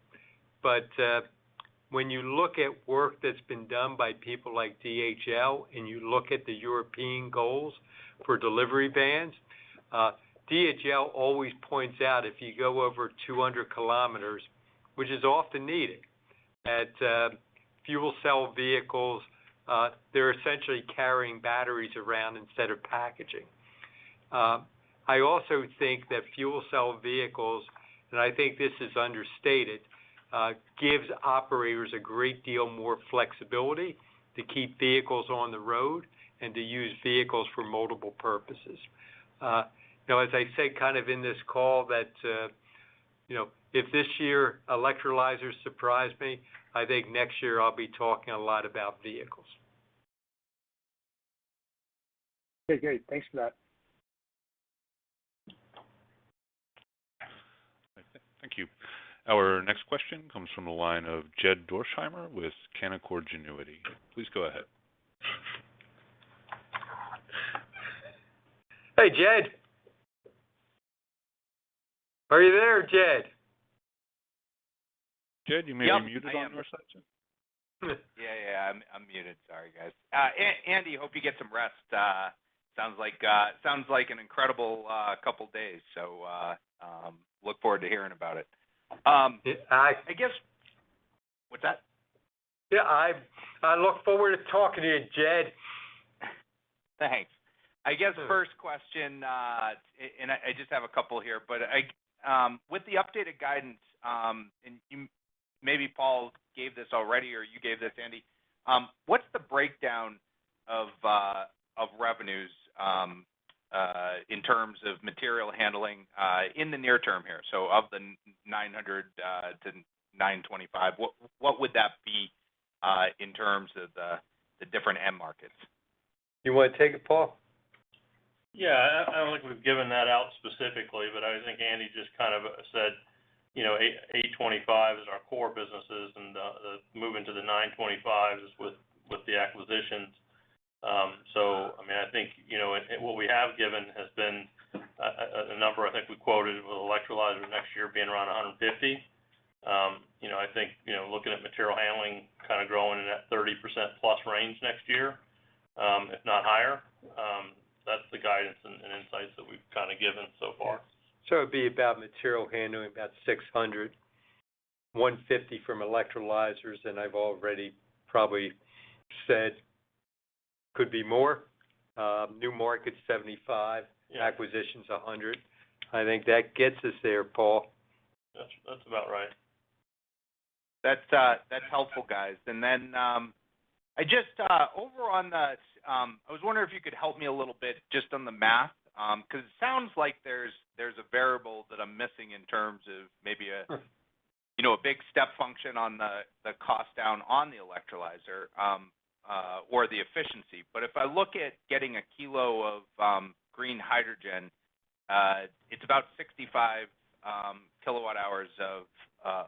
[SPEAKER 3] When you look at work that's been done by people like DHL and you look at the European goals for delivery vans, DHL always points out if you go over 200 km, which is often needed, that fuel cell vehicles, they're essentially carrying batteries around instead of packaging. I also think that fuel cell vehicles, and I think this is understated, gives operators a great deal more flexibility to keep vehicles on the road and to use vehicles for multiple purposes. You know, as I say, kind of in this call that, you know, if this year electrolyzers surprise me, I think next year I'll be talking a lot about vehicles.
[SPEAKER 12] Okay, great. Thanks for that.
[SPEAKER 1] Thank you. Our next question comes from the line of Jed Dorsheimer with Canaccord Genuity. Please go ahead.
[SPEAKER 3] Hey, Jed. Are you there, Jed?
[SPEAKER 1] Jed, you may be muted on your side, sir.
[SPEAKER 13] Yeah, I'm muted. Sorry, guys. Andy, hope you get some rest. Sounds like an incredible couple of days. Look forward to hearing about it. I guess. What's that?
[SPEAKER 3] Yeah, I look forward to talking to you, Jed.
[SPEAKER 13] Thanks. I guess first question, and I just have a couple here, but with the updated guidance, and you maybe Paul gave this already or you gave this, Andy, what's the breakdown of revenues in terms of Material Handling in the near term here? Of the $900 million-$925 million, what would that be in terms of the different end markets?
[SPEAKER 3] You wanna take it, Paul?
[SPEAKER 8] Yeah, I don't think we've given that out specifically, but I think Andy just kind of said, you know, $825 is our core businesses and moving to the $925 is with the acquisitions. I mean, I think, you know, what we have given has been a number I think we quoted with electrolyzer next year being around $150. You know, I think, you know, looking at material handling kind of growing in that 30%+ range next year, if not higher. That's the guidance and insights that we've kind of given so far.
[SPEAKER 3] It'd be about material handling, about $600, $150 from electrolyzers, and I've already probably said could be more. New markets, $75.
[SPEAKER 8] Yeah.
[SPEAKER 3] Acquisitions, 100. I think that gets us there, Paul.
[SPEAKER 8] That's about right.
[SPEAKER 13] That's helpful, guys. I was wondering if you could help me a little bit just on the math because it sounds like there's a variable that I'm missing in terms of maybe a
[SPEAKER 3] Sure
[SPEAKER 13] You know, a big step function on the cost down on the electrolyzer or the efficiency. If I look at getting a kilo of green hydrogen, it's about 65 kWh of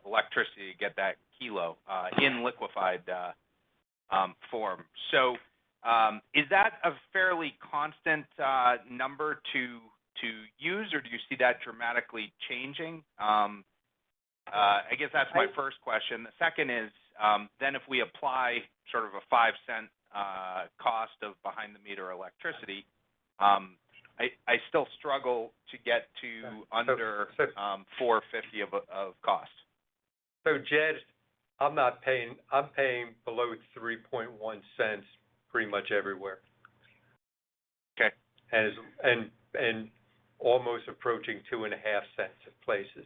[SPEAKER 13] electricity to get that kilo in liquefied form. Is that a fairly constant number to use, or do you see that dramatically changing? I guess that's my first question. The second is, then if we apply sort of a $0.05 cost of behind the meter electricity, I still struggle to get to under $4.50 of cost.
[SPEAKER 3] Jed, I'm paying below $0.031 pretty much everywhere.
[SPEAKER 13] Okay.
[SPEAKER 3] Almost approaching $0.025 at places.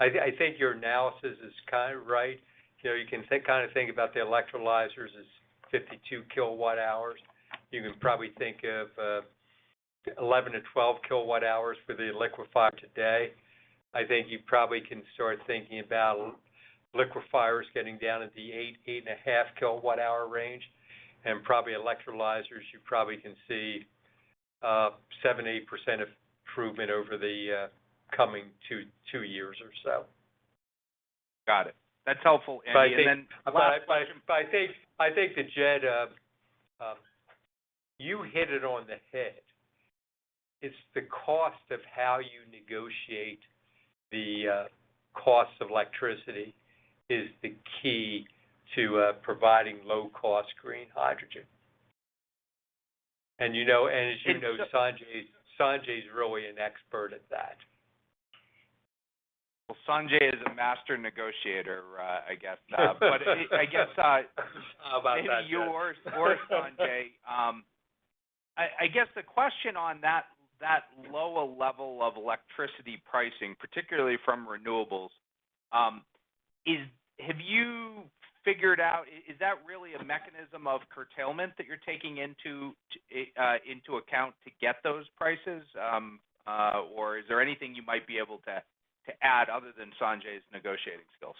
[SPEAKER 3] I think your analysis is kind of right. You know, you can kind of think about the electrolyzers as 52 kWh. You can probably think of 11-12 kWh for the liquefier today. I think you probably can start thinking about liquefiers getting down to the 8-8.5 kWh range. Probably electrolyzers, you probably can see 7%-8% improvement over the coming two years or so.
[SPEAKER 13] Got it. That's helpful, Andy.
[SPEAKER 3] I think.
[SPEAKER 13] Last question.
[SPEAKER 3] I think that Jed, you hit it on the head. It's the cost of how you negotiate the cost of electricity is the key to providing low-cost green hydrogen. As you know, Sanjay's really an expert at that.
[SPEAKER 13] Well, Sanjay is a master negotiator, I guess now. I guess.
[SPEAKER 3] How about that, Jed?
[SPEAKER 13] Maybe you or Sanjay, I guess the question on that lower level of electricity pricing, particularly from renewables, is have you figured out is that really a mechanism of curtailment that you're taking into account to get those prices? Or is there anything you might be able to add other than Sanjay's negotiating skills?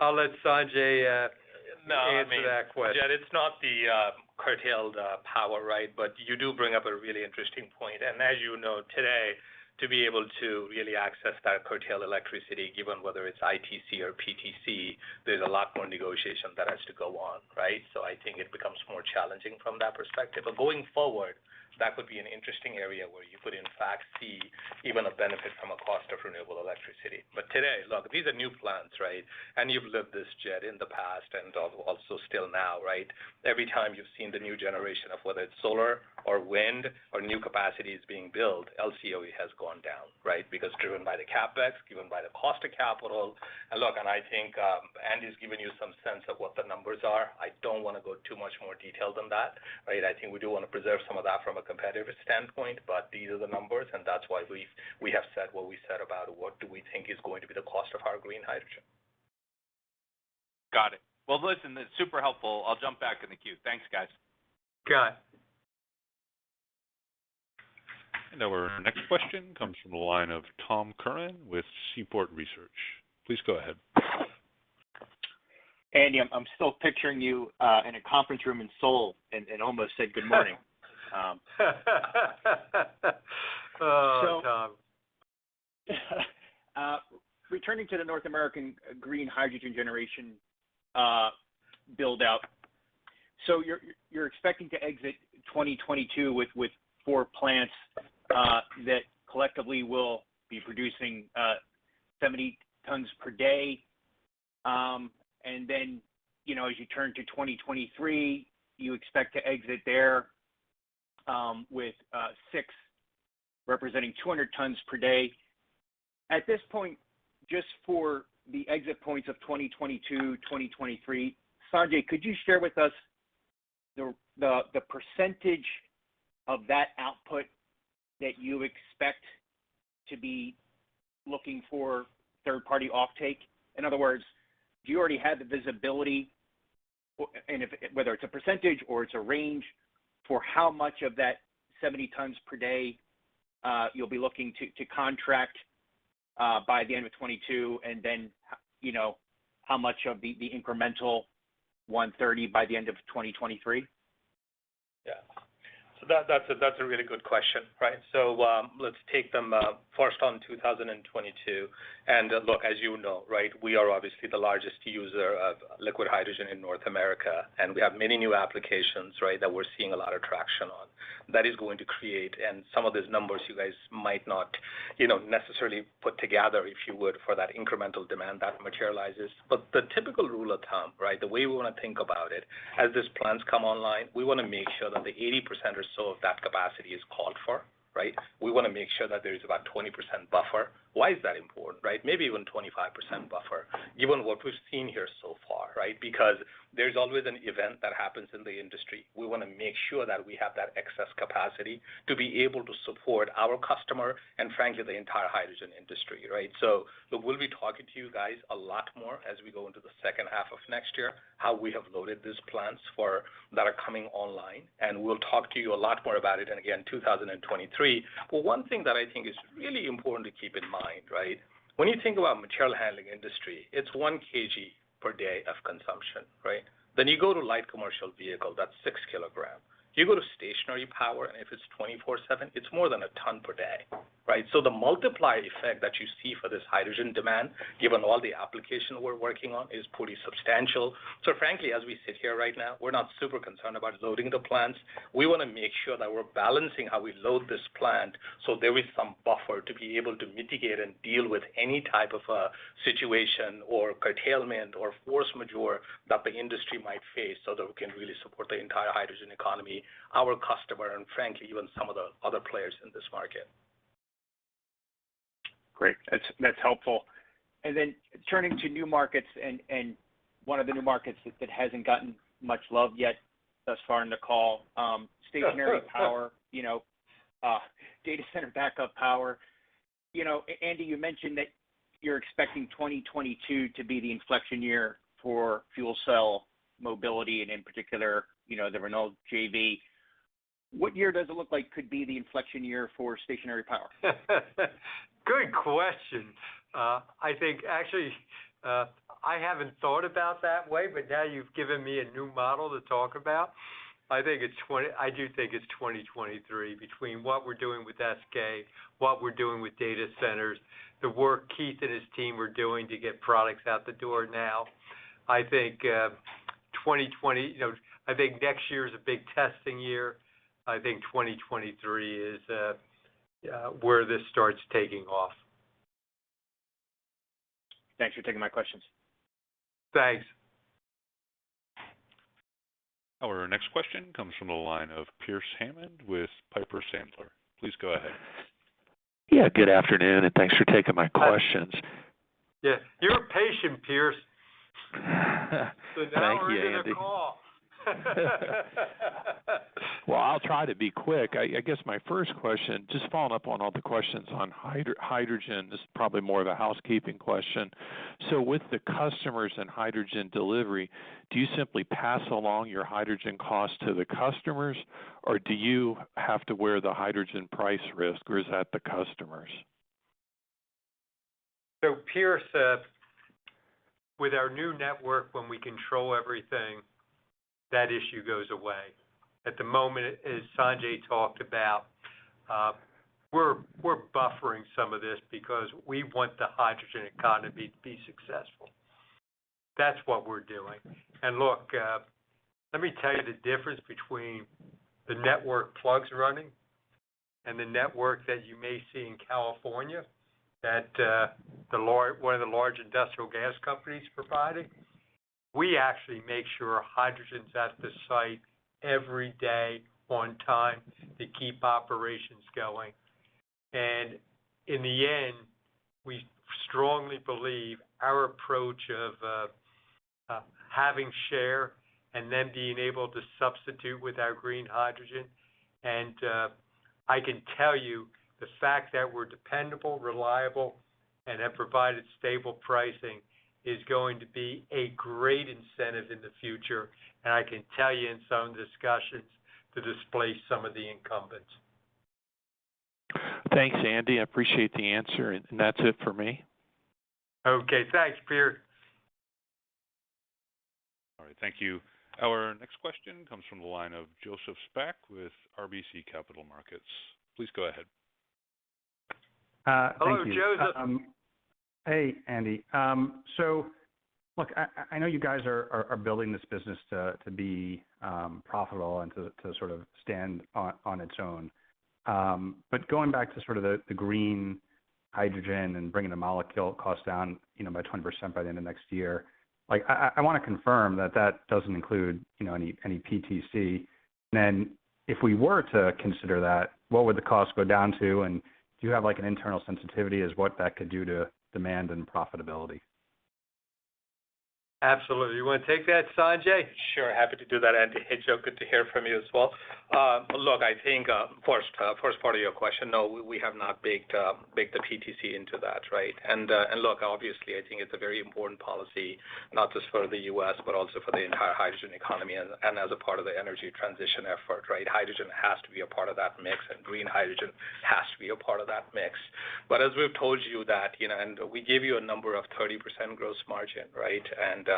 [SPEAKER 3] I'll let Sanjay answer that question.
[SPEAKER 5] No, I mean, Jed, it's not the curtailed power, right? You do bring up a really interesting point. As you know, today, to be able to really access that curtailed electricity, given whether it's ITC or PTC, there's a lot more negotiation that has to go on, right? I think it becomes more challenging from that perspective. Going forward, that could be an interesting area where you could in fact see even a benefit from a cost of renewable electricity. Today, look, these are new plants, right? You've lived this, Jed, in the past and also still now, right? Every time you've seen the new generation of whether it's solar or wind or new capacities being built, LCOE has gone down, right, because driven by the CapEx, driven by the cost of capital. Look, I think Andy's given you some sense of what the numbers are. I don't wanna go too much more detailed than that, right? I think we do wanna preserve some of that from a competitive standpoint, but these are the numbers, and that's why we have said what we said about what we think is going to be the cost of our green hydrogen.
[SPEAKER 13] Got it. Well, listen, it's super helpful. I'll jump back in the queue. Thanks, guys.
[SPEAKER 3] Okay.
[SPEAKER 1] Our next question comes from the line of Tom Curran with Seaport Research. Please go ahead.
[SPEAKER 14] Andy, I'm still picturing you in a conference room in Seoul and almost said good morning.
[SPEAKER 3] Oh, Tom.
[SPEAKER 14] Returning to the North American green hydrogen generation build-out. You're expecting to exit 2022 with four plants that collectively will be producing 70 tons per day. You know, as you turn to 2023, you expect to exit there with six representing 200 tons per day. At this point, just for the exit points of 2022, 2023, Sanjay, could you share with us the percentage of that output that you expect to be looking for third-party offtake? In other words, do you already have the visibility, and if whether it's a percentage or it's a range, for how much of that 70 tons per day you'll be looking to contract by the end of 2022? You know, how much of the incremental $130 by the end of 2023?
[SPEAKER 5] Yeah. That’s a really good question. Right. Let’s take them first on 2022. Look, as you know, right, we are obviously the largest user of liquid hydrogen in North America, and we have many new applications, right, that we’re seeing a lot of traction on. That is going to create, and some of these numbers you guys might not, you know, necessarily put together, if you would, for that incremental demand that materializes. But the typical rule of thumb, right, the way we wanna think about it, as these plants come online, we wanna make sure that the 80% or so of that capacity is called for, right? We wanna make sure that there is about 20% buffer. Why is that important, right? Maybe even 25% buffer. Given what we’ve seen here so far, right? Because there's always an event that happens in the industry. We wanna make sure that we have that excess capacity to be able to support our customer and frankly, the entire hydrogen industry, right? We'll be talking to you guys a lot more as we go into the second half of next year, how we have loaded these plants for that are coming online. We'll talk to you a lot more about it in, again, 2023. One thing that I think is really important to keep in mind, right? When you think about material handling industry, it's 1 kg per day of consumption, right? You go to light commercial vehicle, that's 6 kilogram. You go to stationary power, and if it's 24/7, it's more than a ton per day, right? The multiplier effect that you see for this hydrogen demand, given all the applications we're working on, is pretty substantial. Frankly, as we sit here right now, we're not super concerned about loading the plants. We wanna make sure that we're balancing how we load this plant so there is some buffer to be able to mitigate and deal with any type of a situation or curtailment or force majeure that the industry might face, so that we can really support the entire hydrogen economy, our customer, and frankly, even some of the other players in this market.
[SPEAKER 14] Great. That's helpful. Then turning to new markets and one of the new markets that hasn't gotten much love yet thus far in the call, stationary power, you know, data center backup power. You know, Andy, you mentioned that you're expecting 2022 to be the inflection year for fuel cell mobility and in particular, you know, the Renault JV. What year does it look like could be the inflection year for stationary power?
[SPEAKER 3] Good question. I think actually, I haven't thought about that way, but now you've given me a new model to talk about. I do think it's 2023 between what we're doing with SK, what we're doing with data centers, the work Keith and his team are doing to get products out the door now. You know, I think next year is a big testing year. I think 2023 is where this starts taking off.
[SPEAKER 14] Thanks for taking my questions.
[SPEAKER 3] Thanks.
[SPEAKER 1] Our next question comes from the line of Pearce Hammond with Piper Sandler. Please go ahead.
[SPEAKER 15] Yeah, good afternoon, and thanks for taking my questions.
[SPEAKER 3] Yeah. You're patient, Pearce.
[SPEAKER 15] Thank you, Andy.
[SPEAKER 3] Now we're getting a call.
[SPEAKER 15] Well, I'll try to be quick. I guess my first question, just following up on all the questions on hydrogen. This is probably more of a housekeeping question. With the customers and hydrogen delivery, do you simply pass along your hydrogen cost to the customers, or do you have to wear the hydrogen price risk or is that the customers?
[SPEAKER 3] Pearce, with our new network, when we control everything, that issue goes away. At the moment, as Sanjay talked about, we're buffering some of this because we want the hydrogen economy to be successful. That's what we're doing. Look, let me tell you the difference between the network Plug's running and the network that you may see in California that one of the large industrial gas companies providing. We actually make sure hydrogen's at the site every day on time to keep operations going. In the end, we strongly believe our approach of having share and then being able to substitute with our green hydrogen. I can tell you the fact that we're dependable, reliable, and have provided stable pricing is going to be a great incentive in the future, and I can tell you in some discussions to displace some of the incumbents.
[SPEAKER 15] Thanks, Andy. I appreciate the answer, and that's it for me.
[SPEAKER 3] Okay. Thanks, Pearce.
[SPEAKER 1] All right. Thank you. Our next question comes from the line of Joseph Spak with RBC Capital Markets. Please go ahead.
[SPEAKER 3] Hello, Joseph.
[SPEAKER 16] Hey, Andy. Look, I know you guys are building this business to be profitable and to sort of stand on its own. Going back to sort of the green hydrogen and bringing the molecule cost down, you know, by 20% by the end of next year, like I wanna confirm that that doesn't include, you know, any PTC. If we were to consider that, what would the cost go down to, and do you have like an internal sensitivity as what that could do to demand and profitability?
[SPEAKER 3] Absolutely. You wanna take that, Sanjay?
[SPEAKER 5] Sure. Happy to do that, Andy. Hey, Joe, good to hear from you as well. Look, I think first part of your question, no, we have not baked the PTC into that, right? Look, obviously, I think it's a very important policy not just for the U.S. but also for the entire hydrogen economy and as a part of the energy transition effort, right? Hydrogen has to be a part of that mix, and green hydrogen has to be a part of that mix. As we've told you that, you know, and we gave you a number of 30% gross margin, right?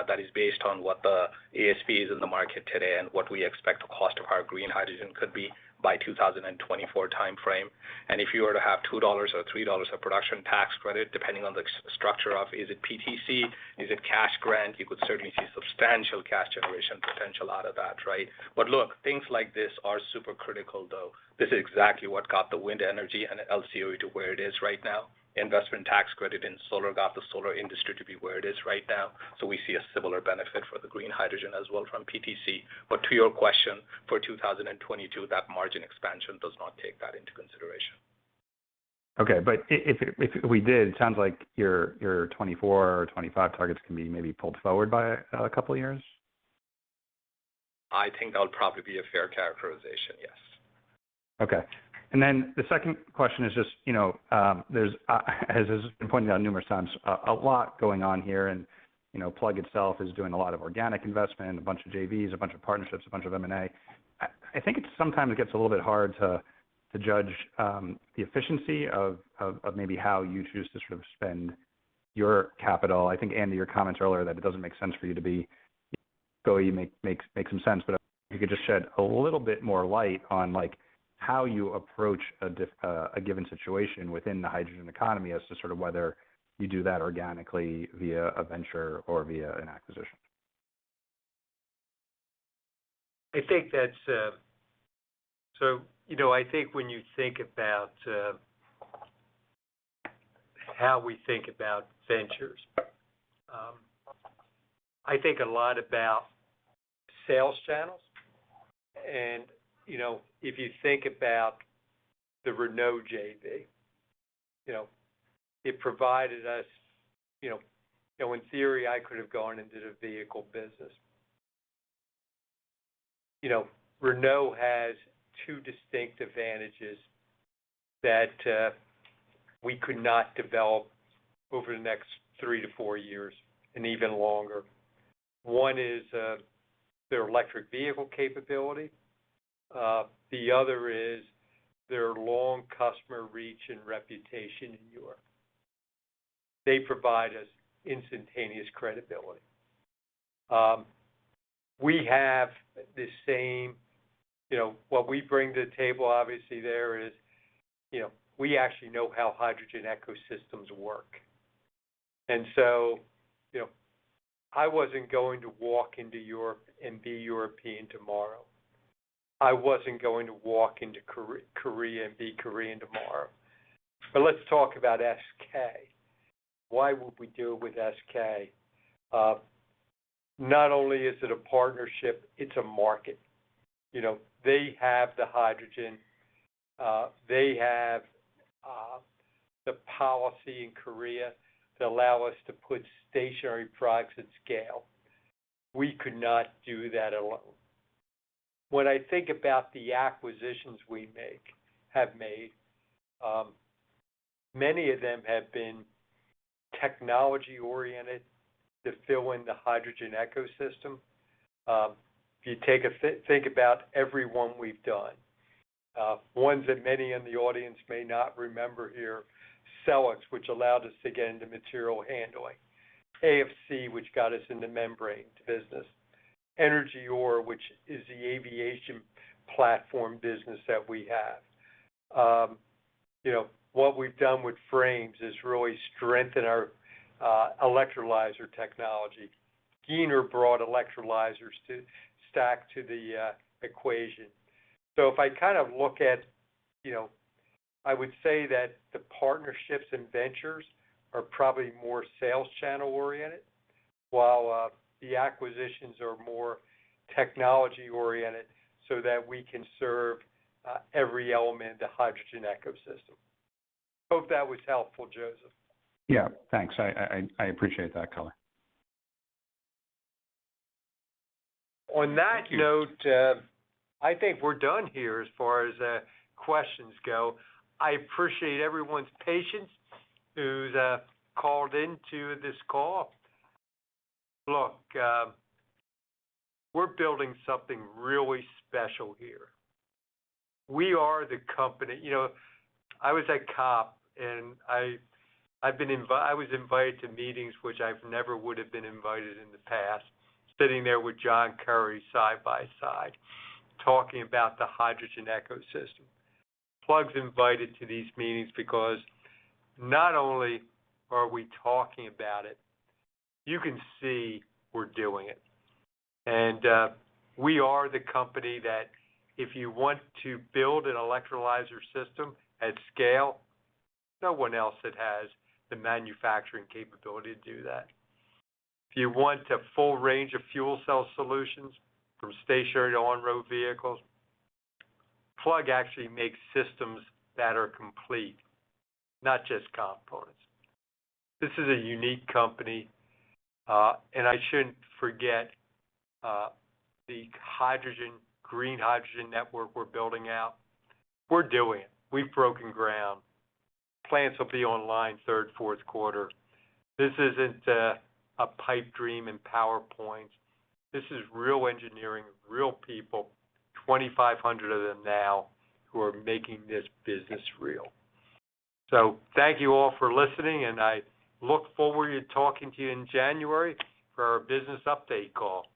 [SPEAKER 5] That is based on what the ASP is in the market today and what we expect the cost of our green hydrogen could be by 2024 timeframe. If you were to have $2 or $3 of production tax credit, depending on the structure of, is it PTC, is it cash grant, you could certainly see substantial cash generation potential out of that, right? Look, things like this are super critical, though. This is exactly what got the wind energy and LCOE to where it is right now. Investment tax credit in solar got the solar industry to be where it is right now. We see a similar benefit for the green hydrogen as well from PTC. To your question, for 2022, that margin expansion does not take that into consideration.
[SPEAKER 16] Okay, if we did, it sounds like your 2024 or 2025 targets can be maybe pulled forward by a couple of years?
[SPEAKER 5] I think that would probably be a fair characterization, yes.
[SPEAKER 16] Okay. The second question is just, you know, there's as has been pointed out numerous times, a lot going on here and, you know, Plug itself is doing a lot of organic investment, a bunch of JVs, a bunch of partnerships, a bunch of M&A. I think it sometimes gets a little bit hard to judge the efficiency of maybe how you choose to sort of spend your capital. I think, Andy, your comments earlier that it doesn't make sense for you to be make some sense, but if you could just shed a little bit more light on, like, how you approach a given situation within the hydrogen economy as to sort of whether you do that organically via a venture or via an acquisition.
[SPEAKER 3] You know, I think when you think about how we think about ventures, I think a lot about sales channels. You know, if you think about the Renault JV, you know, it provided us, you know. You know, in theory, I could have gone and did a vehicle business. You know, Renault has two distinct advantages that we could not develop over the next three-four years and even longer. One is their electric vehicle capability. The other is their long customer reach and reputation in Europe. They provide us instantaneous credibility. We have the same, you know. What we bring to the table, obviously, there is, you know, we actually know how hydrogen ecosystems work. You know, I wasn't going to walk into Europe and be European tomorrow. I wasn't going to walk into Korea and be Korean tomorrow. Let's talk about SK. Why would we do it with SK? Not only is it a partnership, it's a market. You know, they have the hydrogen, they have the policy in Korea to allow us to put stationary products at scale. We could not do that alone. When I think about the acquisitions we have made, many of them have been technology-oriented to fill in the hydrogen ecosystem. If you think about every one we've done, ones that many in the audience may not remember here, Cellex, which allowed us to get into material handling. AFC, which got us in the membranes business. EnergyOr, which is the aviation platform business that we have. You know, what we've done with Frames has really strengthened our electrolyzer technology. Giner brought electrolyzers to stack to the equation. If I kind of look at, you know, I would say that the partnerships and ventures are probably more sales channel-oriented, while the acquisitions are more technology-oriented so that we can serve every element of the hydrogen ecosystem. Hope that was helpful, Joseph.
[SPEAKER 16] Yeah, thanks. I appreciate that color.
[SPEAKER 3] On that note, I think we're done here as far as questions go. I appreciate everyone's patience who's called into this call. Look, we're building something really special here. We are the company. You know, I was at COP, and I was invited to meetings which I never would have been invited to in the past, sitting there with John Kerry side by side, talking about the hydrogen ecosystem. Plug's invited to these meetings because not only are we talking about it, you can see we're doing it. We are the company that if you want to build an electrolyzer system at scale, no one else that has the manufacturing capability to do that. If you want a full range of fuel cell solutions from stationary to on-road vehicles, Plug actually makes systems that are complete, not just components. This is a unique company, and I shouldn't forget the hydrogen green hydrogen network we're building out. We're doing it. We've broken ground. Plants will be online third, fourth quarter. This isn't a pipe dream in PowerPoint. This is real engineering, real people, 2,500 of them now, who are making this business real. Thank you all for listening, and I look forward to talking to you in January for our business update call.